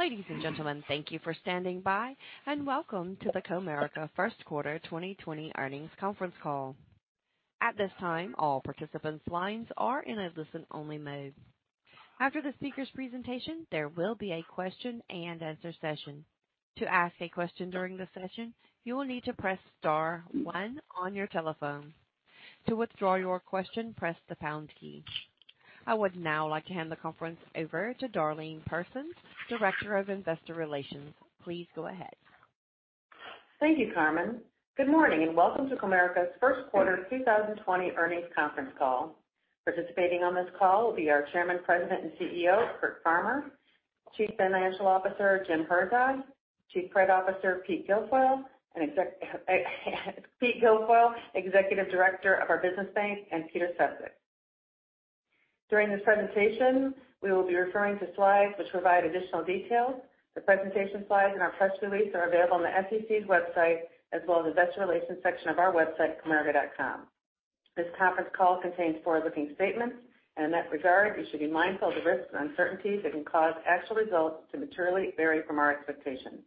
Ladies and gentlemen, thank you for standing by, and welcome to the Comerica first quarter 2020 earnings conference call. At this time, all participants' lines are in a listen-only mode. After the speaker's presentation, there will be a question-and-answer session. To ask a question during the session, you will need to press star one on your telephone. To withdraw your question, press the pound key. I would now like to hand the conference over to Darlene Persons, Director of Investor Relations. Please go ahead. Thank you, Carmen. Good morning and welcome to Comerica's First Quarter 2020 Earnings Conference Call. Participating on this call will be our Chairman, President, and CEO, Curtis Farmer, Chief Financial Officer James Herzog, Chief Credit Officer Peter Guilfoile, and Executive Director of our Business Bank, Peter Sefzik. During this presentation, we will be referring to slides which provide additional details. The presentation slides and our press release are available on the SEC's website, as well as the investor relations section of our website, comerica.com. This conference call contains forward-looking statements. In that regard, you should be mindful of the risks and uncertainties that can cause actual results to materially vary from our expectations.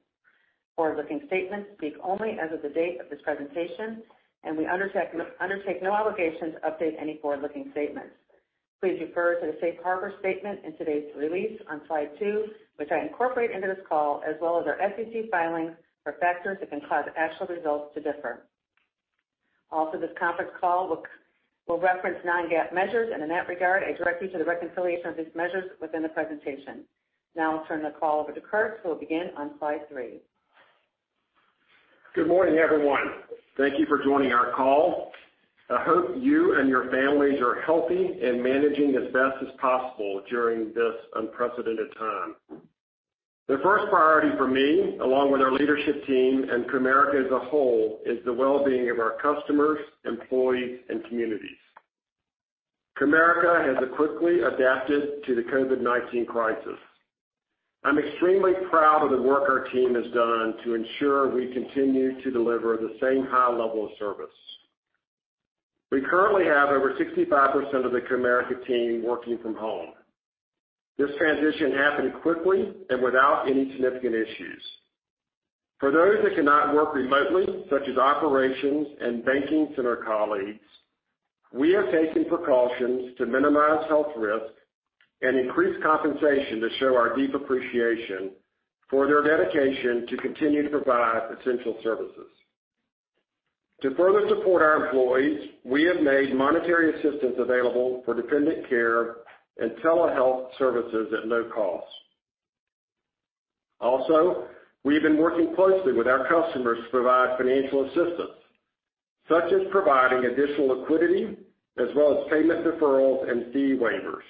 Forward-looking statements speak only as of the date of this presentation, and we undertake no obligation to update any forward-looking statements. Please refer to the safe harbor statement in today's release on slide two, which I incorporate into this call, as well as our SEC filings for factors that can cause actual results to differ. This conference call will reference non-GAAP measures, and in that regard, I direct you to the reconciliation of these measures within the presentation. I'll turn the call over to Curt, who will begin on slide three. Good morning, everyone. Thank you for joining our call. I hope you and your families are healthy and managing as best as possible during this unprecedented time. The first priority for me, along with our leadership team and Comerica as a whole, is the well-being of our customers, employees, and communities. Comerica has quickly adapted to the COVID-19 crisis. I'm extremely proud of the work our team has done to ensure we continue to deliver the same high level of service. We currently have over 65% of the Comerica team working from home. This transition happened quickly and without any significant issues. For those that cannot work remotely, such as operations and banking center colleagues, we are taking precautions to minimize health risks and increase compensation to show our deep appreciation for their dedication to continue to provide essential services. To further support our employees, we have made monetary assistance available for dependent care and telehealth services at no cost. We've been working closely with our customers to provide financial assistance, such as providing additional liquidity, as well as payment deferrals and fee waivers.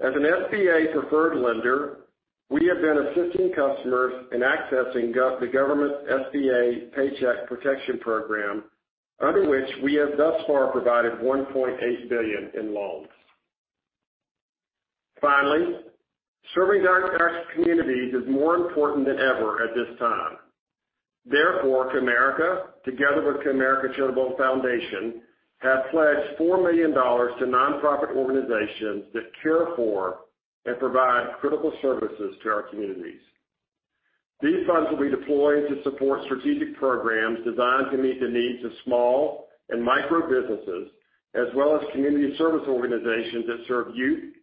As an SBA-preferred lender, we have been assisting customers in accessing the government's SBA Paycheck Protection Program, under which we have thus far provided $1.8 billion in loans. Serving our communities is more important than ever at this time. Comerica, together with Comerica Charitable Foundation, has pledged $4 million to nonprofit organizations that care for and provide critical services to our communities. These funds will be deployed to support strategic programs designed to meet the needs of small and micro businesses, as well as community service organizations that serve youth,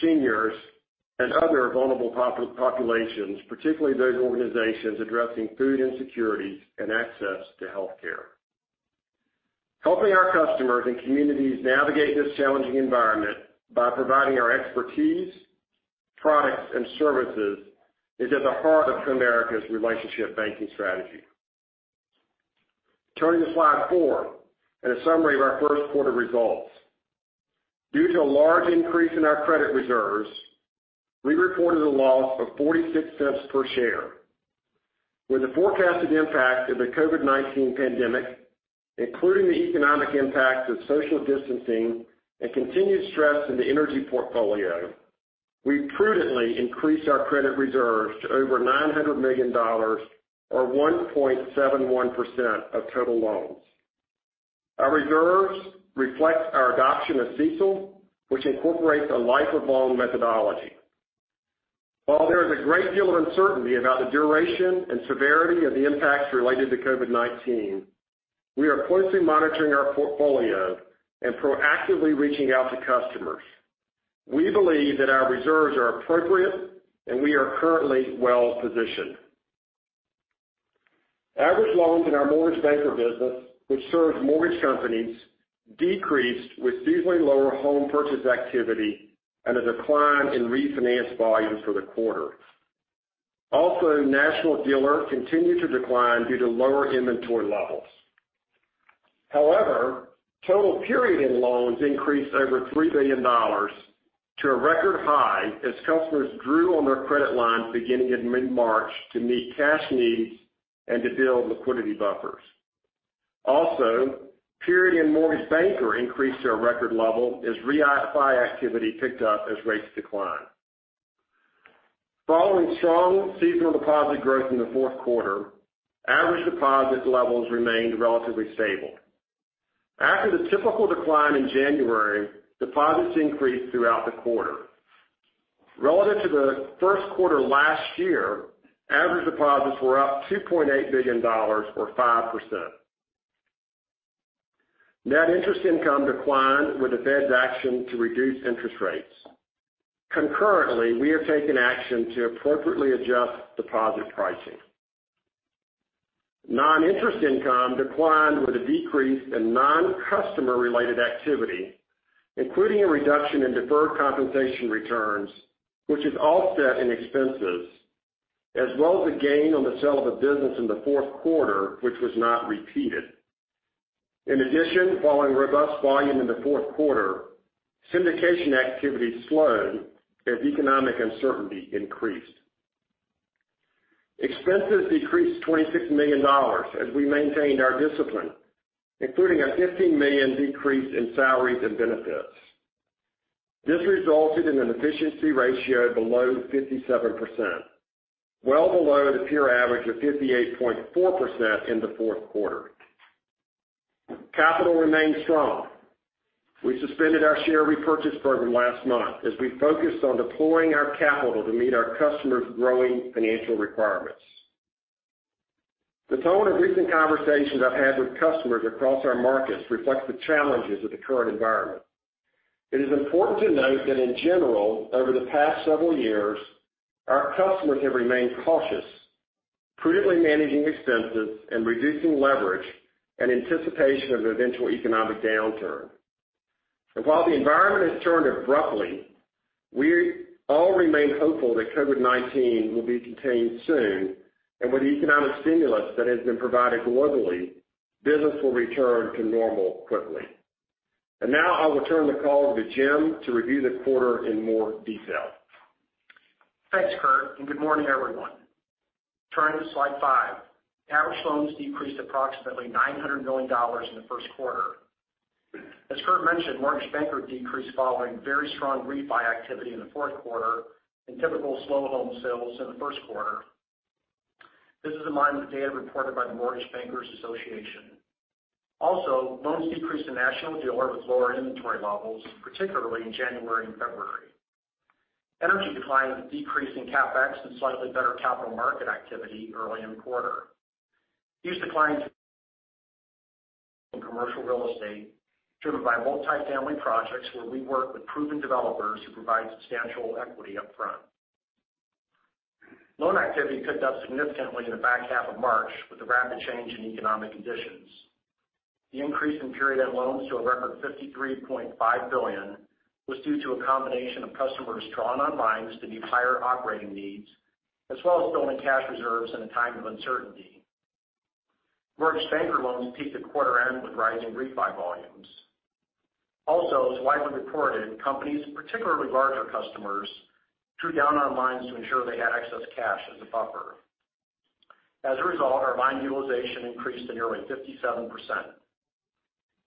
seniors, and other vulnerable populations, particularly those organizations addressing food insecurities and access to healthcare. Helping our customers and communities navigate this challenging environment by providing our expertise, products, and services is at the heart of Comerica's relationship banking strategy. Turning to slide four and a summary of our first quarter results. Due to a large increase in our credit reserves, we reported a loss of $0.46 per share. With the forecasted impact of the COVID-19 pandemic, including the economic impact of social distancing and continued stress in the energy portfolio, we prudently increased our credit reserves to over $900 million, or 1.71% of total loans. Our reserves reflect our adoption of CECL, which incorporates a life-of-loan methodology. While there is a great deal of uncertainty about the duration and severity of the impacts related to COVID-19, we are closely monitoring our portfolio and proactively reaching out to customers. We believe that our reserves are appropriate, and we are currently well positioned. Average loans in our mortgage banker business, which serves mortgage companies, decreased with seasonally lower home purchase activity and a decline in refinance volumes for the quarter. Also, national dealers continued to decline due to lower inventory levels. However, total period-end loans increased over $3 billion to a record high as customers drew on their credit lines beginning in mid-March to meet cash needs and to build liquidity buffers. Also, period-end mortgage banker increased to a record level as re-fi activity picked up as rates declined. Following strong seasonal deposit growth in the fourth quarter, average deposit levels remained relatively stable. After the typical decline in January, deposits increased throughout the quarter. Relative to the first quarter last year, average deposits were up $2.8 billion, or 5%. Net interest income declined with the Fed's action to reduce interest rates. Concurrently, we are taking action to appropriately adjust deposit pricing. Non-interest income declined with a decrease in non-customer related activity, including a reduction in deferred compensation returns, which is offset in expenses, as well as a gain on the sale of a business in the fourth quarter, which was not repeated. In addition, following robust volume in the fourth quarter, syndication activity slowed as economic uncertainty increased. Expenses decreased $26 million as we maintained our discipline, including a $15 million decrease in salaries and benefits. This resulted in an efficiency ratio below 57%, well below the peer average of 58.4% in the fourth quarter. Capital remains strong. We suspended our share repurchase program last month as we focused on deploying our capital to meet our customers' growing financial requirements. The tone of recent conversations I've had with customers across our markets reflect the challenges of the current environment. It is important to note that, in general, over the past several years, our customers have remained cautious, prudently managing expenses and reducing leverage in anticipation of an eventual economic downturn. While the environment has turned abruptly, we all remain hopeful that COVID-19 will be contained soon, and with the economic stimulus that has been provided globally, business will return to normal quickly. Now I will turn the call to Jim to review the quarter in more detail. Thanks, Curt, and good morning, everyone. Turning to slide five. Average loans decreased approximately $900 million in the first quarter. As Curt mentioned, mortgage banker decreased following very strong refi activity in the fourth quarter and typical slow home sales in the first quarter. This is in line with data reported by the Mortgage Bankers Association. Also, loans decreased to national dealer with lower inventory levels, particularly in January and February. Energy declined with a decrease in CapEx and slightly better capital market activity early in the quarter. These declines in commercial real estate, driven by multifamily projects where we work with proven developers who provide substantial equity upfront. Loan activity picked up significantly in the back half of March with the rapid change in economic conditions. The increase in period loans to a record $53.5 billion was due to a combination of customers drawing on lines to meet higher operating needs, as well as building cash reserves in a time of uncertainty. Mortgage banker loans peaked at quarter end with rising refi volumes. Also, as widely reported, companies, particularly larger customers, drew down on lines to ensure they had excess cash as a buffer. As a result, our line utilization increased to nearly 57%.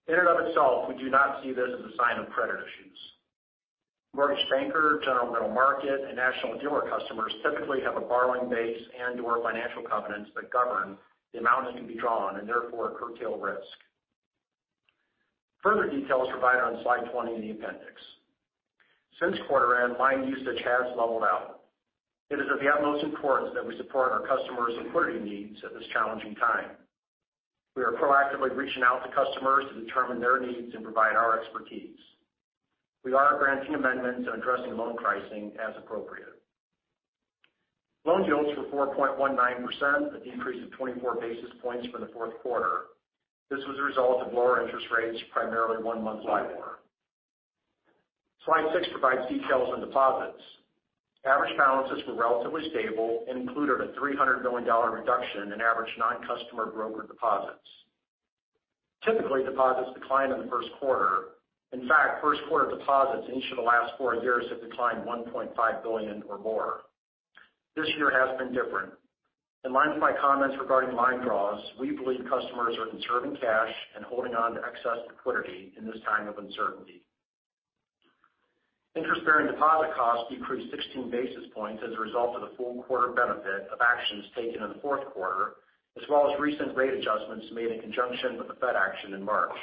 In and of itself, we do not see this as a sign of credit issues. Mortgage banker, general middle market, and national dealer customers typically have a borrowing base and/or financial covenants that govern the amount that can be drawn, and therefore curtail risk. Further details provided on slide 20 in the appendix. Since quarter end, line usage has leveled out. It is of the utmost importance that we support our customers' liquidity needs at this challenging time. We are proactively reaching out to customers to determine their needs and provide our expertise. We are granting amendments and addressing loan pricing as appropriate. Loan yields were 4.19%, a decrease of 24 basis points from the fourth quarter. This was a result of lower interest rates, primarily one-month LIBOR. Slide six provides details on deposits. Average balances were relatively stable and included a $300 million reduction in average non-customer broker deposits. Typically, deposits decline in the first quarter. In fact, first quarter deposits in each of the last four years have declined $1.5 billion or more. This year has been different. In line with my comments regarding line draws, we believe customers are conserving cash and holding on to excess liquidity in this time of uncertainty. Interest-bearing deposit costs decreased 16 basis points as a result of the full quarter benefit of actions taken in the fourth quarter, as well as recent rate adjustments made in conjunction with the Fed action in March.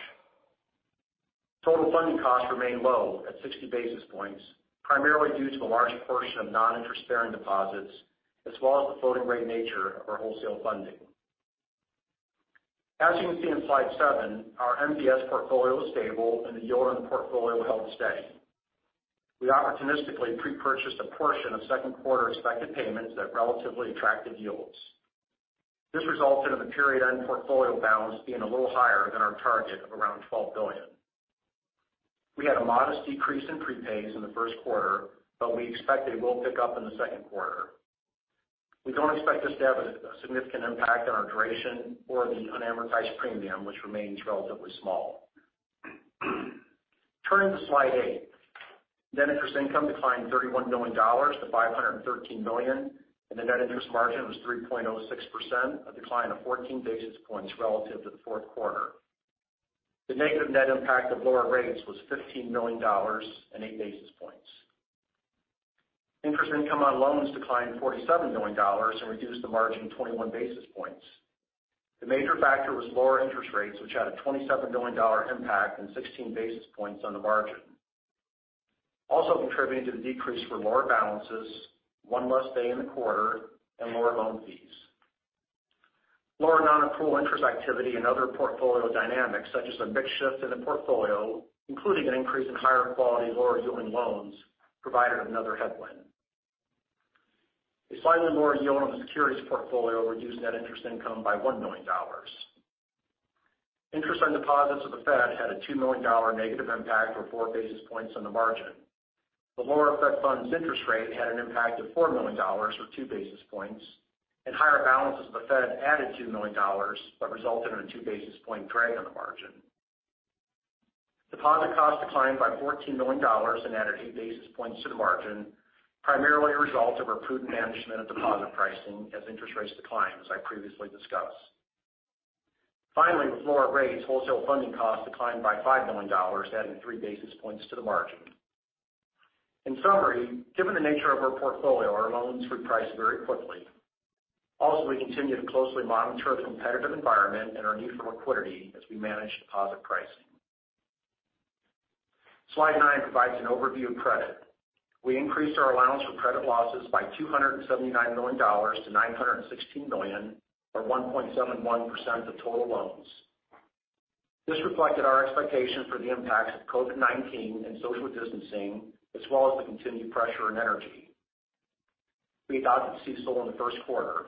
Total funding costs remain low at 60 basis points, primarily due to the large portion of non-interest-bearing deposits, as well as the floating rate nature of our wholesale funding. As you can see on slide seven, our MBS portfolio is stable, and the yield on the portfolio held steady. We opportunistically pre-purchased a portion of second quarter expected payments at relatively attractive yields. This resulted in the period-end portfolio balance being a little higher than our target of around $12 billion. We had a modest decrease in prepays in the first quarter, we expect they will pick up in the second quarter. We don't expect this to have a significant impact on our duration or the unamortized premium, which remains relatively small. Turning to slide eight. Net interest income declined $31 million-$513 million, and the net interest margin was 3.06%, a decline of 14 basis points relative to the fourth quarter. The negative net impact of lower rates was $15 million and eight basis points. Interest income on loans declined $47 million and reduced the margin 21 basis points. The major factor was lower interest rates, which had a $27 million impact and 16 basis points on the margin. Also contributing to the decrease were lower balances, one less day in the quarter, and lower loan fees. Lower non-accrual interest activity and other portfolio dynamics, such as a mix shift in the portfolio, including an increase in higher quality, lower yielding loans, provided another headwind. A slightly lower yield on the securities portfolio reduced net interest income by $1 million. Interest on deposits with the Fed had a $2 million negative impact or four basis points on the margin. The lower Fed funds interest rate had an impact of $4 million or two basis points, and higher balances with the Fed added $2 million but resulted in a two basis point drag on the margin. Deposit costs declined by $14 million and added eight basis points to the margin, primarily a result of our prudent management of deposit pricing as interest rates decline, as I previously discussed. Finally, with lower rates, wholesale funding costs declined by $5 million, adding three basis points to the margin. In summary, given the nature of our portfolio, our loans reprice very quickly. We continue to closely monitor the competitive environment and our need for liquidity as we manage deposit pricing. Slide nine provides an overview of credit. We increased our allowance for credit losses by $279 million-$916 million or 1.71% of total loans. This reflected our expectation for the impacts of COVID-19 and social distancing, as well as the continued pressure in energy. We adopted CECL in the first quarter.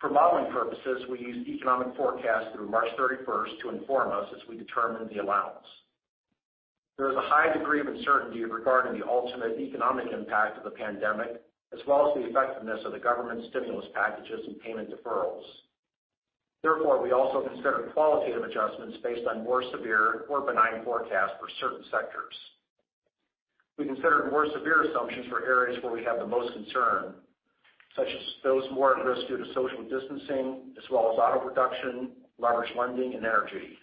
For modeling purposes, we used economic forecasts through March 31st to inform us as we determine the allowance. There is a high degree of uncertainty regarding the ultimate economic impact of the pandemic, as well as the effectiveness of the government stimulus packages and payment deferrals. We also considered qualitative adjustments based on more severe or benign forecasts for certain sectors. We considered more severe assumptions for areas where we have the most concern, such as those more at risk due to social distancing, as well as auto production, leverage lending and energy.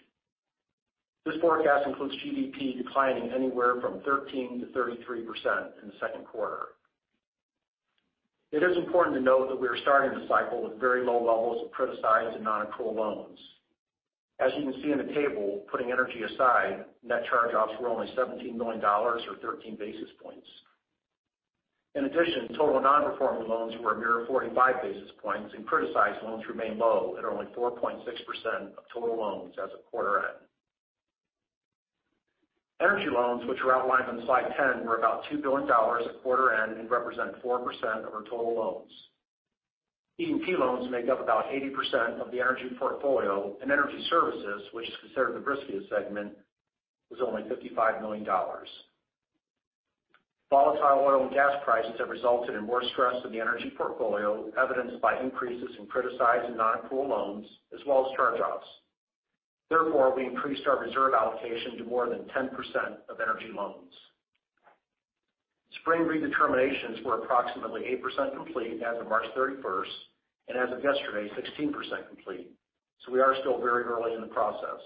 This forecast includes GDP declining anywhere from 13%-33% in the second quarter. It is important to note that we are starting the cycle with very low levels of criticized and non-accrual loans. As you can see in the table, putting energy aside, net charge-offs were only $17 million or 13 basis points. In addition, total non-performing loans were a mere 45 basis points, and criticized loans remain low at only 4.6% of total loans as of quarter end. Energy loans, which are outlined on slide 10, were about $2 billion at quarter end and represent 4% of our total loans. E&P loans make up about 80% of the energy portfolio and energy services, which is considered the riskiest segment, was only $55 million. Volatile oil and gas prices have resulted in more stress in the energy portfolio, evidenced by increases in criticized and non-accrual loans, as well as charge-offs. Therefore, we increased our reserve allocation to more than 10% of energy loans. spring redeterminations were approximately 8% complete as of March 31st and as of yesterday, 16% complete. We are still very early in the process.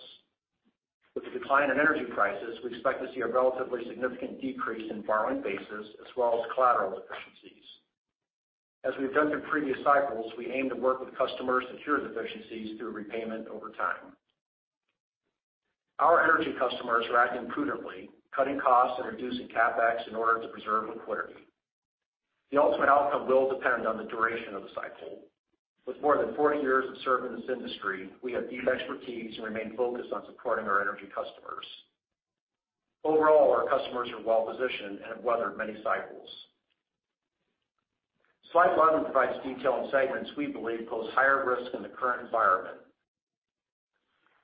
With the decline in energy prices, we expect to see a relatively significant decrease in borrowing bases as well as collateral efficiencies. As we've done through previous cycles, we aim to work with customers to cure deficiencies through repayment over time. Our energy customers are acting prudently, cutting costs and reducing CapEx in order to preserve liquidity. The ultimate outcome will depend on the duration of the cycle. With more than 40 years of serving this industry, we have deep expertise and remain focused on supporting our energy customers. Overall, our customers are well-positioned and have weathered many cycles. Slide 11 provides detail on segments we believe pose higher risk in the current environment.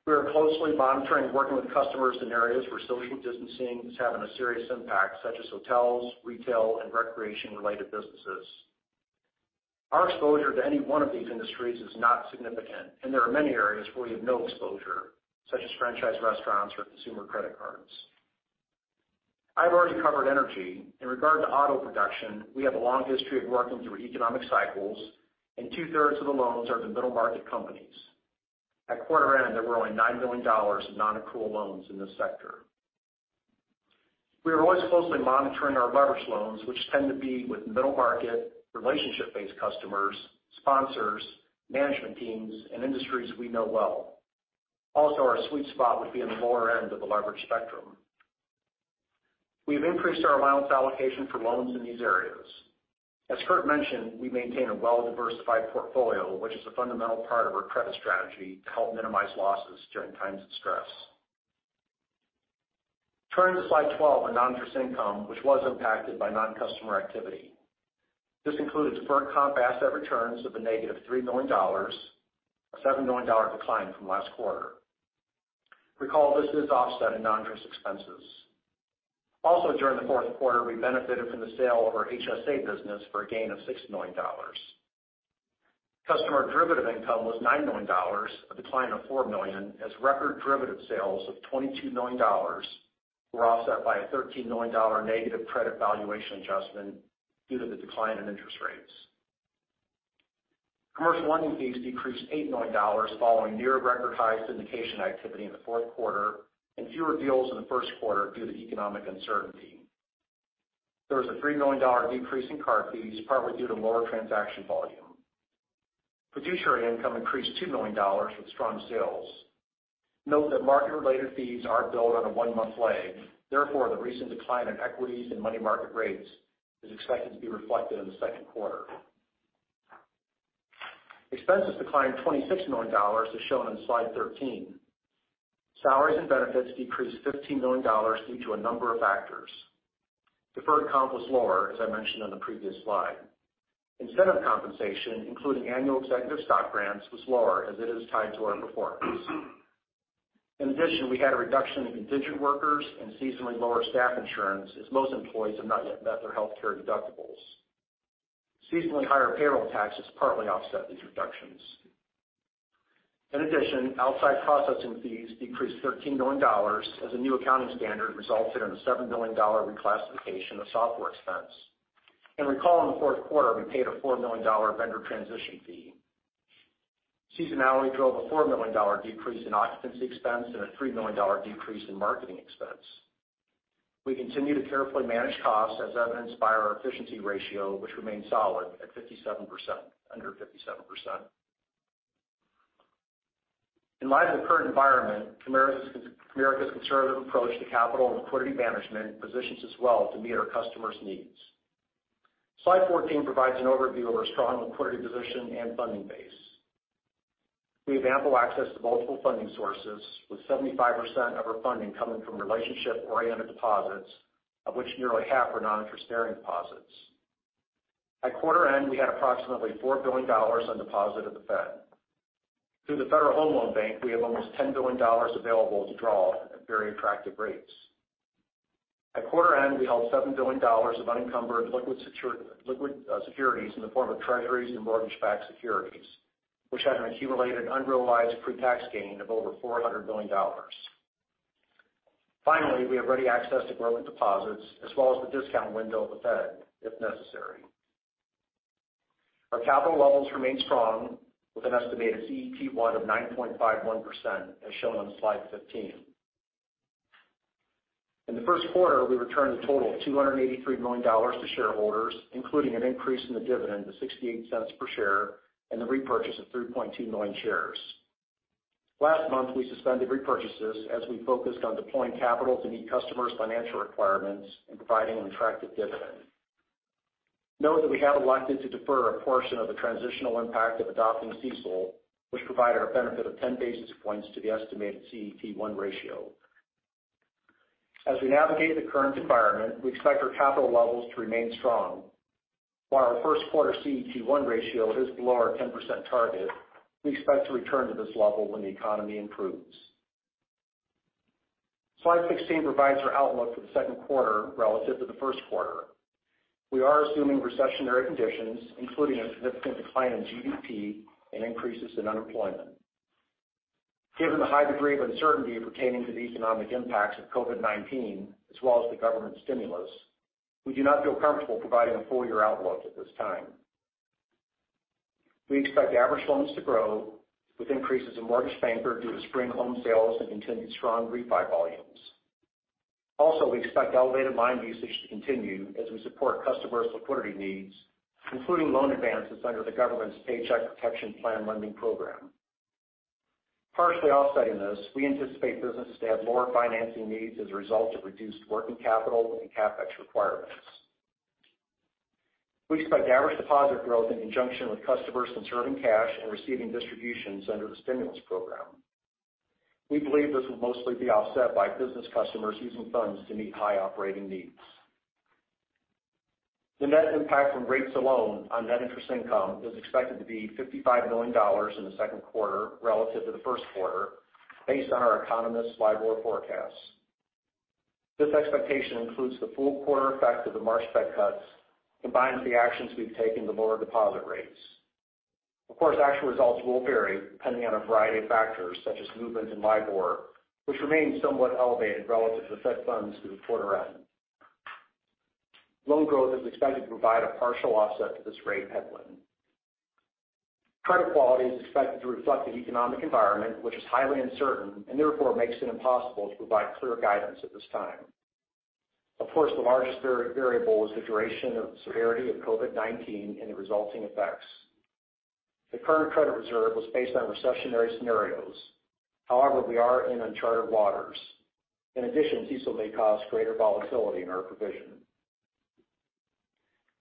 We are closely monitoring and working with customers in areas where social distancing is having a serious impact, such as hotels, retail, and recreation-related businesses. Our exposure to any one of these industries is not significant, and there are many areas where we have no exposure, such as franchise restaurants or consumer credit cards. I've already covered energy. In regard to auto production, we have a long history of working through economic cycles, and two-thirds of the loans are to middle-market companies. At quarter end, there were only $9 million of non-accrual loans in this sector. We are always closely monitoring our leverage loans, which tend to be with middle-market, relationship-based customers, sponsors, management teams, and industries we know well. Our sweet spot would be in the lower end of the leverage spectrum. We've increased our allowance allocation for loans in these areas. As Curt mentioned, we maintain a well-diversified portfolio, which is a fundamental part of our credit strategy to help minimize losses during times of stress. Turning to slide 12 on non-interest income, which was impacted by non-customer activity. This included deferred comp asset returns of a negative $3 million, a $7 million decline from last quarter. Recall, this is offset in non-interest expenses. During the fourth quarter, we benefited from the sale of our HSA business for a gain of $6 million. Customer derivative income was $9 million, a decline of $4 million as record derivative sales of $22 million were offset by a $13 million negative credit valuation adjustment due to the decline in interest rates. Commercial lending fees decreased $8 million following near record high syndication activity in the fourth quarter and fewer deals in the first quarter due to economic uncertainty. There was a $3 million decrease in card fees, partly due to lower transaction volume. Fiduciary income increased $2 million with strong sales. Note that market-related fees are billed on a one-month lag. Therefore, the recent decline in equities and money market rates is expected to be reflected in the second quarter. Expenses declined $26 million, as shown on slide 13. Salaries and benefits decreased $15 million due to a number of factors. Deferred comp was lower, as I mentioned on the previous slide. Incentive compensation, including annual executive stock grants, was lower as it is tied to our performance. We had a reduction in contingent workers and seasonally lower staff insurance as most employees have not yet met their healthcare deductibles. Seasonally higher payroll taxes partly offset these reductions. Outside processing fees decreased $13 million as a new accounting standard resulted in a $7 million reclassification of software expense. Recall in the fourth quarter, we paid a $4 million vendor transition fee. Seasonality drove a $4 million decrease in occupancy expense and a $3 million decrease in marketing expense. We continue to carefully manage costs as evidenced by our efficiency ratio, which remains solid under 57%. In light of the current environment, Comerica's conservative approach to capital and liquidity management positions us well to meet our customers' needs. Slide 14 provides an overview of our strong liquidity position and funding base. We have ample access to multiple funding sources, with 75% of our funding coming from relationship-oriented deposits, of which nearly half are non-interest-bearing deposits. At quarter end, we had approximately $4 billion on deposit at the Fed. Through the Federal Home Loan Bank, we have almost $10 billion available to draw at very attractive rates. At quarter end, we held $7 billion of unencumbered liquid securities in the form of Treasuries and mortgage-backed securities, which had an accumulated unrealized pretax gain of over $400 million. Finally, we have ready access to growing deposits as well as the discount window of the Fed if necessary. Our capital levels remain strong with an estimated CET1 of 9.51%, as shown on slide 15. In the first quarter, we returned a total of $283 million to shareholders, including an increase in the dividend to $0.68 per share and the repurchase of 3.2 million shares. Last month, we suspended repurchases as we focused on deploying capital to meet customers' financial requirements in providing an attractive dividend. Note that we have elected to defer a portion of the transitional impact of adopting CECL, which provided a benefit of 10 basis points to the estimated CET1 ratio. As we navigate the current environment, we expect our capital levels to remain strong. While our first quarter CET1 ratio is below our 10% target, we expect to return to this level when the economy improves. Slide 16 provides our outlook for the second quarter relative to the first quarter. We are assuming recessionary conditions, including a significant decline in GDP and increases in unemployment. Given the high degree of uncertainty pertaining to the economic impacts of COVID-19, as well as the government stimulus, we do not feel comfortable providing a full-year outlook at this time. We expect average loans to grow with increases in mortgage banking due to spring home sales and continued strong refi volumes. We expect elevated line usage to continue as we support customers' liquidity needs, including loan advances under the government's Paycheck Protection Program lending program. Partially offsetting this, we anticipate businesses to have lower financing needs as a result of reduced working capital and CapEx requirements. We expect average deposit growth in conjunction with customers conserving cash and receiving distributions under the stimulus program. We believe this will mostly be offset by business customers using funds to meet high operating needs. The net impact from rates alone on net interest income is expected to be $55 million in the second quarter relative to the first quarter, based on our economists' LIBOR forecasts. This expectation includes the full quarter effect of the March Fed cuts, combined with the actions we've taken to lower deposit rates. Of course, actual results will vary depending on a variety of factors such as movements in LIBOR, which remains somewhat elevated relative to Fed funds through quarter end. Loan growth is expected to provide a partial offset to this rate headwind. Credit quality is expected to reflect the economic environment, which is highly uncertain and therefore makes it impossible to provide clear guidance at this time. Of course, the largest variable is the duration of severity of COVID-19 and the resulting effects. The current credit reserve was based on recessionary scenarios. However, we are in uncharted waters. In addition, CECL may cause greater volatility in our provision.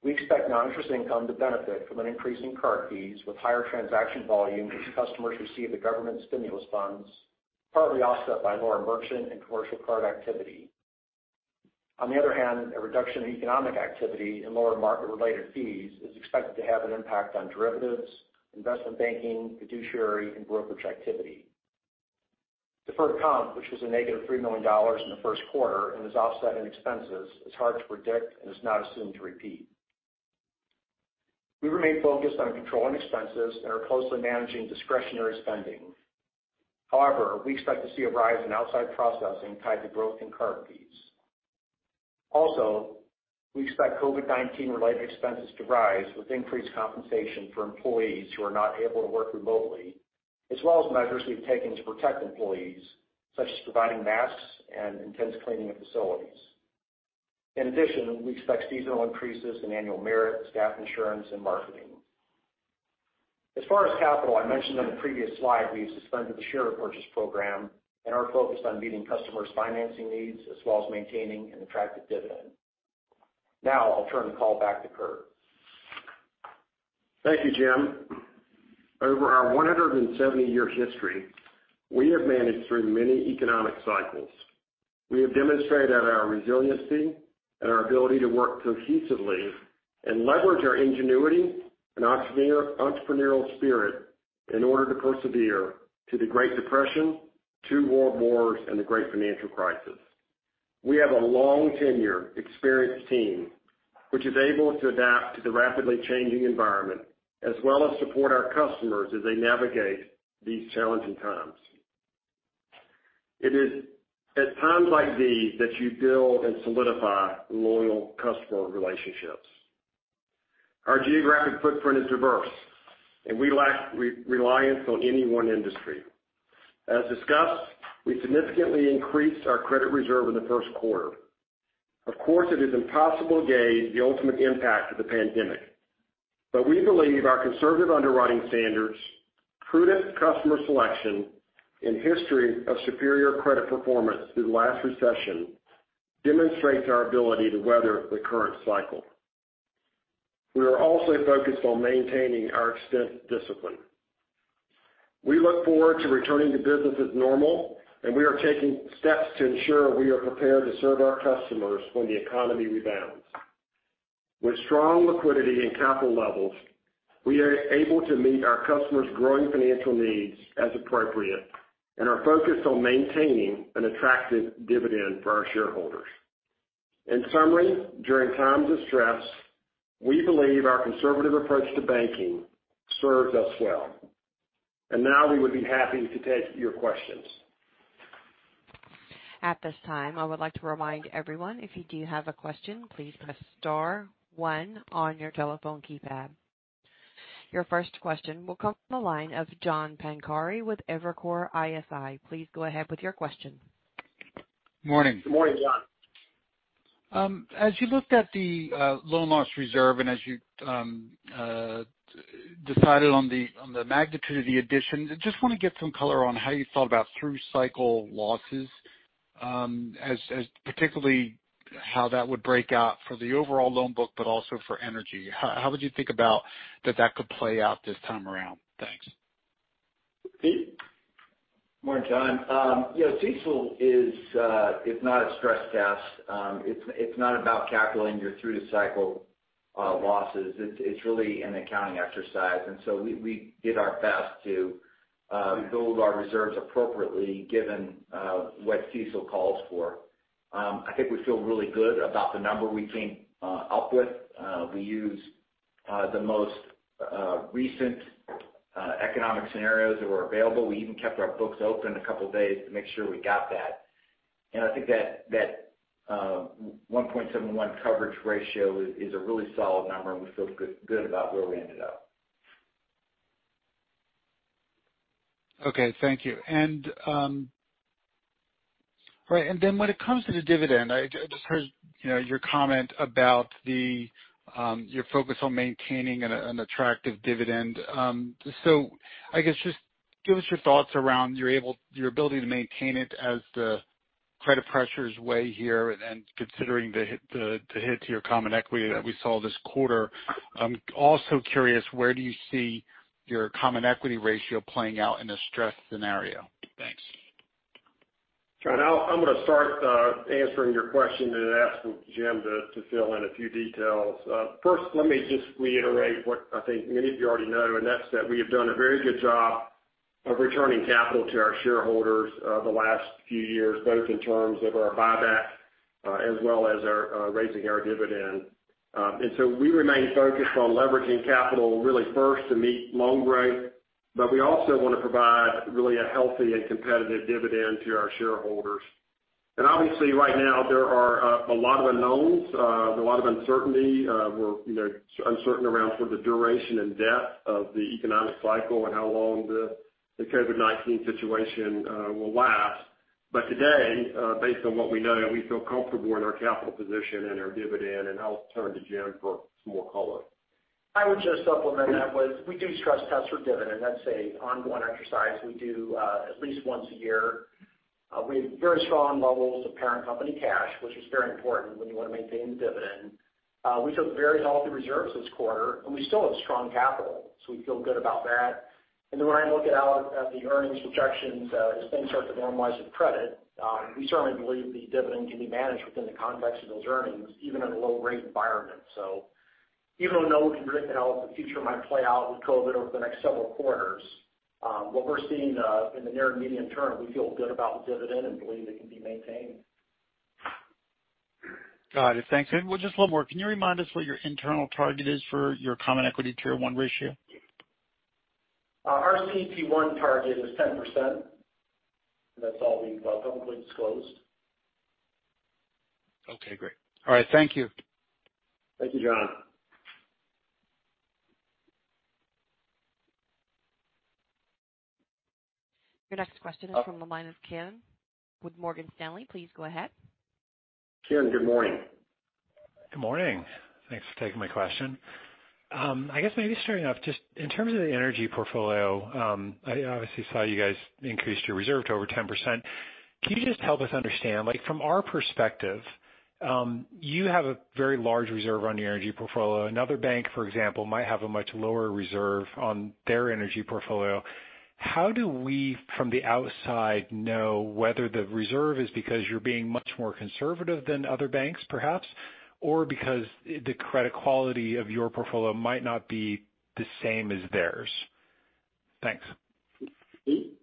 We expect non-interest income to benefit from an increase in card fees with higher transaction volume as customers receive the government stimulus funds, partly offset by lower merchant and commercial card activity. On the other hand, a reduction in economic activity and lower market-related fees is expected to have an impact on derivatives, investment banking, fiduciary, and brokerage activity. Deferred comp, which was a negative $3 million in the first quarter and is offset in expenses, is hard to predict and is not assumed to repeat. We remain focused on controlling expenses and are closely managing discretionary spending. However, we expect to see a rise in outside processing tied to growth in card fees. Also, we expect COVID-19 related expenses to rise with increased compensation for employees who are not able to work remotely, as well as measures we've taken to protect employees, such as providing masks and intense cleaning of facilities. In addition, we expect seasonal increases in annual merit, staff insurance, and marketing. As far as capital, I mentioned on the previous slide, we've suspended the share repurchase program and are focused on meeting customers' financing needs as well as maintaining an attractive dividend. Now, I'll turn the call back to Curt. Thank you, Jim. Over our 170-year history, we have managed through many economic cycles. We have demonstrated our resiliency and our ability to work cohesively and leverage our ingenuity and entrepreneurial spirit in order to persevere through the Great Depression, two World Wars, and the Great Financial Crisis. We have a long tenure, experienced team, which is able to adapt to the rapidly changing environment as well as support our customers as they navigate these challenging times. It is at times like these that you build and solidify loyal customer relationships. Our geographic footprint is diverse, and we lack reliance on any one industry. As discussed, we significantly increased our credit reserve in the first quarter. Of course, it is impossible to gauge the ultimate impact of the pandemic. We believe our conservative underwriting standards, prudent customer selection, and history of superior credit performance through the last recession demonstrates our ability to weather the current cycle. We are also focused on maintaining our expense discipline. We look forward to returning to business as normal, and we are taking steps to ensure we are prepared to serve our customers when the economy rebounds. With strong liquidity and capital levels, we are able to meet our customers' growing financial needs as appropriate, and are focused on maintaining an attractive dividend for our shareholders. In summary, during times of stress, we believe our conservative approach to banking serves us well. Now we would be happy to take your questions. At this time, I would like to remind everyone, if you do have a question, please press star one on your telephone keypad. Your first question will come from the line of John Pancari with Evercore ISI. Please go ahead with your question. Morning. Good morning, John. As you looked at the loan loss reserve and as you decided on the magnitude of the addition, I just want to get some color on how you thought about through cycle losses, as particularly how that would break out for the overall loan book, but also for energy. How would you think about that could play out this time around? Thanks. Good morning, John. CECL is not a stress test. It's not about calculating your through-the-cycle losses. It's really an accounting exercise. We did our best to build our reserves appropriately given what CECL calls for. I think we feel really good about the number we came up with. We used the most recent economic scenarios that were available. We even kept our books open a couple of days to make sure we got that. I think that 1.71 coverage ratio is a really solid number, and we feel good about where we ended up. Okay. Thank you. When it comes to the dividend, I just heard your comment about your focus on maintaining an attractive dividend. I guess just give us your thoughts around your ability to maintain it as the credit pressures weigh here and considering the hit to your common equity that we saw this quarter. I'm also curious, where do you see your common equity ratio playing out in a stress scenario? Thanks. John, I'm going to start answering your question and ask Jim to fill in a few details. First, let me just reiterate what I think many of you already know, and that's that we have done a very good job of returning capital to our shareholders over the last few years, both in terms of our buyback as well as raising our dividend. We remain focused on leveraging capital really first to meet loan growth. We also want to provide really a healthy and competitive dividend to our shareholders. Obviously, right now, there are a lot of unknowns, a lot of uncertainty. We're uncertain around for the duration and depth of the economic cycle and how long the COVID-19 situation will last. Today, based on what we know, we feel comfortable in our capital position and our dividend, and I'll turn to Jim for some more color. I would just supplement that with, we do stress test for dividend. That's an ongoing exercise we do at least once a year. We have very strong levels of parent company cash, which is very important when you want to maintain the dividend. We took very healthy reserves this quarter, and we still have strong capital, so we feel good about that. When I look out at the earnings projections, as things start to normalize with credit, we certainly believe the dividend can be managed within the context of those earnings, even in a low-rate environment. Even though no one can predict how the future might play out with COVID-19 over the next several quarters, what we're seeing in the near and medium term, we feel good about the dividend and believe it can be maintained. Got it. Thanks. Just one more. Can you remind us what your internal target is for your common equity tier one ratio? Our CET1 target is 10%, and that's all been publicly disclosed. Okay, great. All right. Thank you. Thank you, John. Your next question is from the line of Ken with Morgan Stanley. Please go ahead. Ken, good morning. Good morning. Thanks for taking my question. I guess maybe starting off, just in terms of the energy portfolio, I obviously saw you guys increase your reserve to over 10%. Can you just help us understand? From our perspective, you have a very large reserve on your energy portfolio. Another bank, for example, might have a much lower reserve on their energy portfolio. How do we, from the outside, know whether the reserve is because you're being much more conservative than other banks, perhaps, or because the credit quality of your portfolio might not be the same as theirs? Thanks. Pete?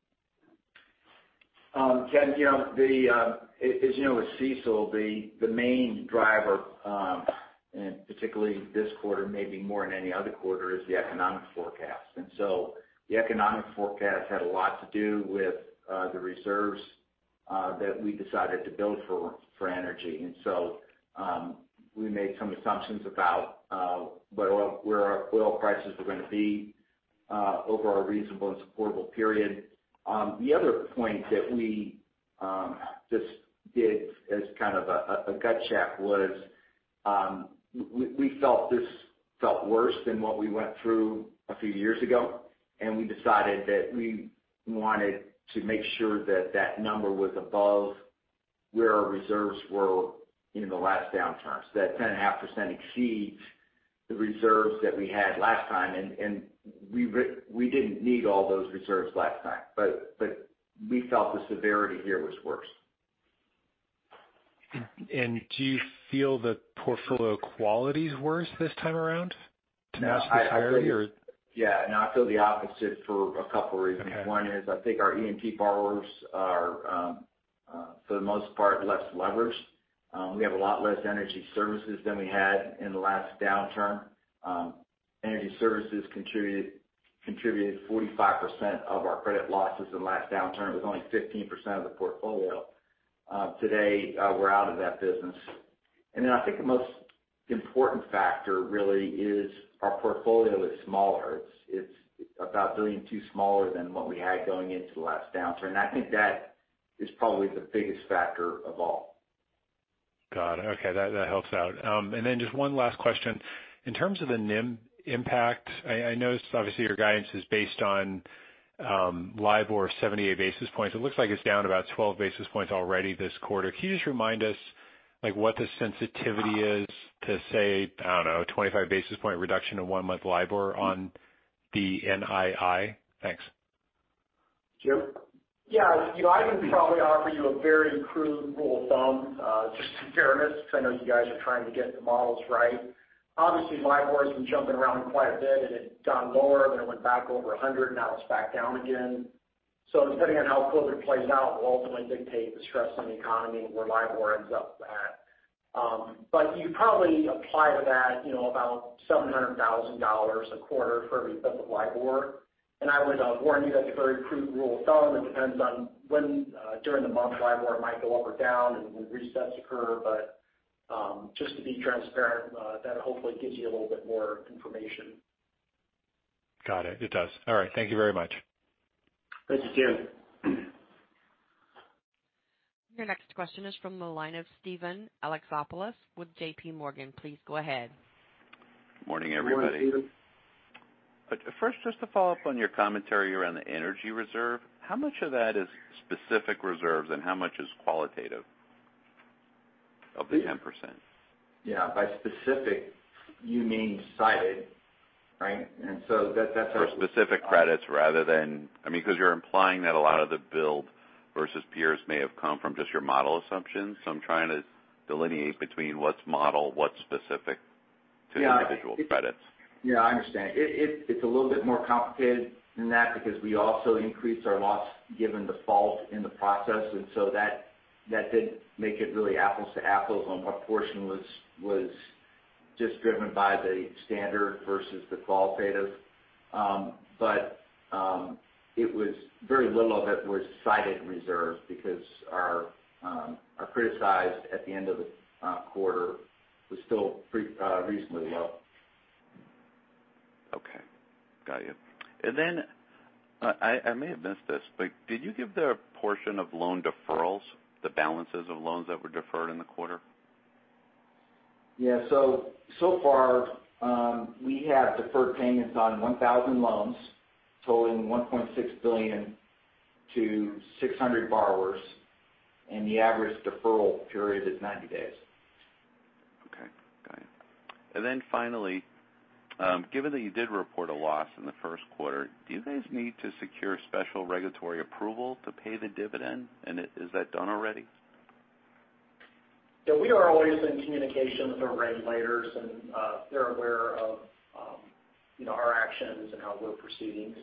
Kieran, as you know with CECL, the main driver, particularly this quarter maybe more than any other quarter, is the economic forecast. The economic forecast had a lot to do with the reserves that we decided to build for energy. We made some assumptions about where our oil prices were going to be over our reasonable and supportable period. The other point that we just did as kind of a gut check was we felt this felt worse than what we went through a few years ago, and we decided that we wanted to make sure that that number was above where our reserves were in the last downturn. That 10.5% exceeds the reserves that we had last time. We didn't need all those reserves last time. We felt the severity here was worse. Do you feel the portfolio quality's worse this time around to match the higher? No, I feel the opposite for a couple reasons. One is I think our E&P borrowers are, for the most part, less leveraged. We have a lot less energy services than we had in the last downturn. Energy services contributed 45% of our credit losses in the last downturn. It was only 15% of the portfolio. Today, we're out of that business. I think the most important factor really is our portfolio is smaller. It's about $1.2 billion smaller than what we had going into the last downturn. I think that is probably the biggest factor of all. Got it. Okay. That helps out. Just one last question. In terms of the NIM impact, I noticed obviously your guidance is based on LIBOR 78 basis points. It looks like it's down about 12 basis points already this quarter. Can you just remind us what the sensitivity is to say, I don't know, a 25 basis point reduction in one-month LIBOR on the NII? Thanks. Jim? Yeah. I would probably offer you a very crude rule of thumb, just to fairness because I know you guys are trying to get the models right. Obviously, LIBOR's been jumping around quite a bit. It's gone lower, then it went back over 100. Now it's back down again. Depending on how COVID plays out will ultimately dictate the stress on the economy and where LIBOR ends up at. You probably apply to that about $700,000 a quarter for every basis point of LIBOR. I would warn you that's a very crude rule of thumb. It depends on when during the month LIBOR might go up or down and when resets occur. Just to be transparent, that hopefully gives you a little bit more information. Got it. It does. All right. Thank you very much. Thank you, Kieran. Your next question is from the line of Steven Alexopoulos with J.P. Morgan. Please go ahead. Morning, everybody. Morning, Steven. First, just to follow up on your commentary around the energy reserve, how much of that is specific reserves and how much is qualitative of the 10%? Yeah. By specific, you mean cited, right? For specific credits because you're implying that a lot of the build versus peers may have come from just your model assumptions. I'm trying to delineate between what's model, what's specific to the individual credits. Yeah, I understand. It's a little bit more complicated than that because we also increased our loss given default in the process, that didn't make it really apples to apples on what portion was just driven by the standard versus the qualitative. Very little of it was criticized reserve because our criticized at the end of the quarter was still reasonably low. Okay. Got you. I may have missed this, but did you give the portion of loan deferrals, the balances of loans that were deferred in the quarter? So far, we have deferred payments on 1,000 loans totaling $1.6 billion to 600 borrowers, and the average deferral period is 90 days. Okay, got you. Finally, given that you did report a loss in the first quarter, do you guys need to secure special regulatory approval to pay the dividend? Is that done already? Yeah. We are always in communication with our regulators and they're aware of our actions and how we're proceeding.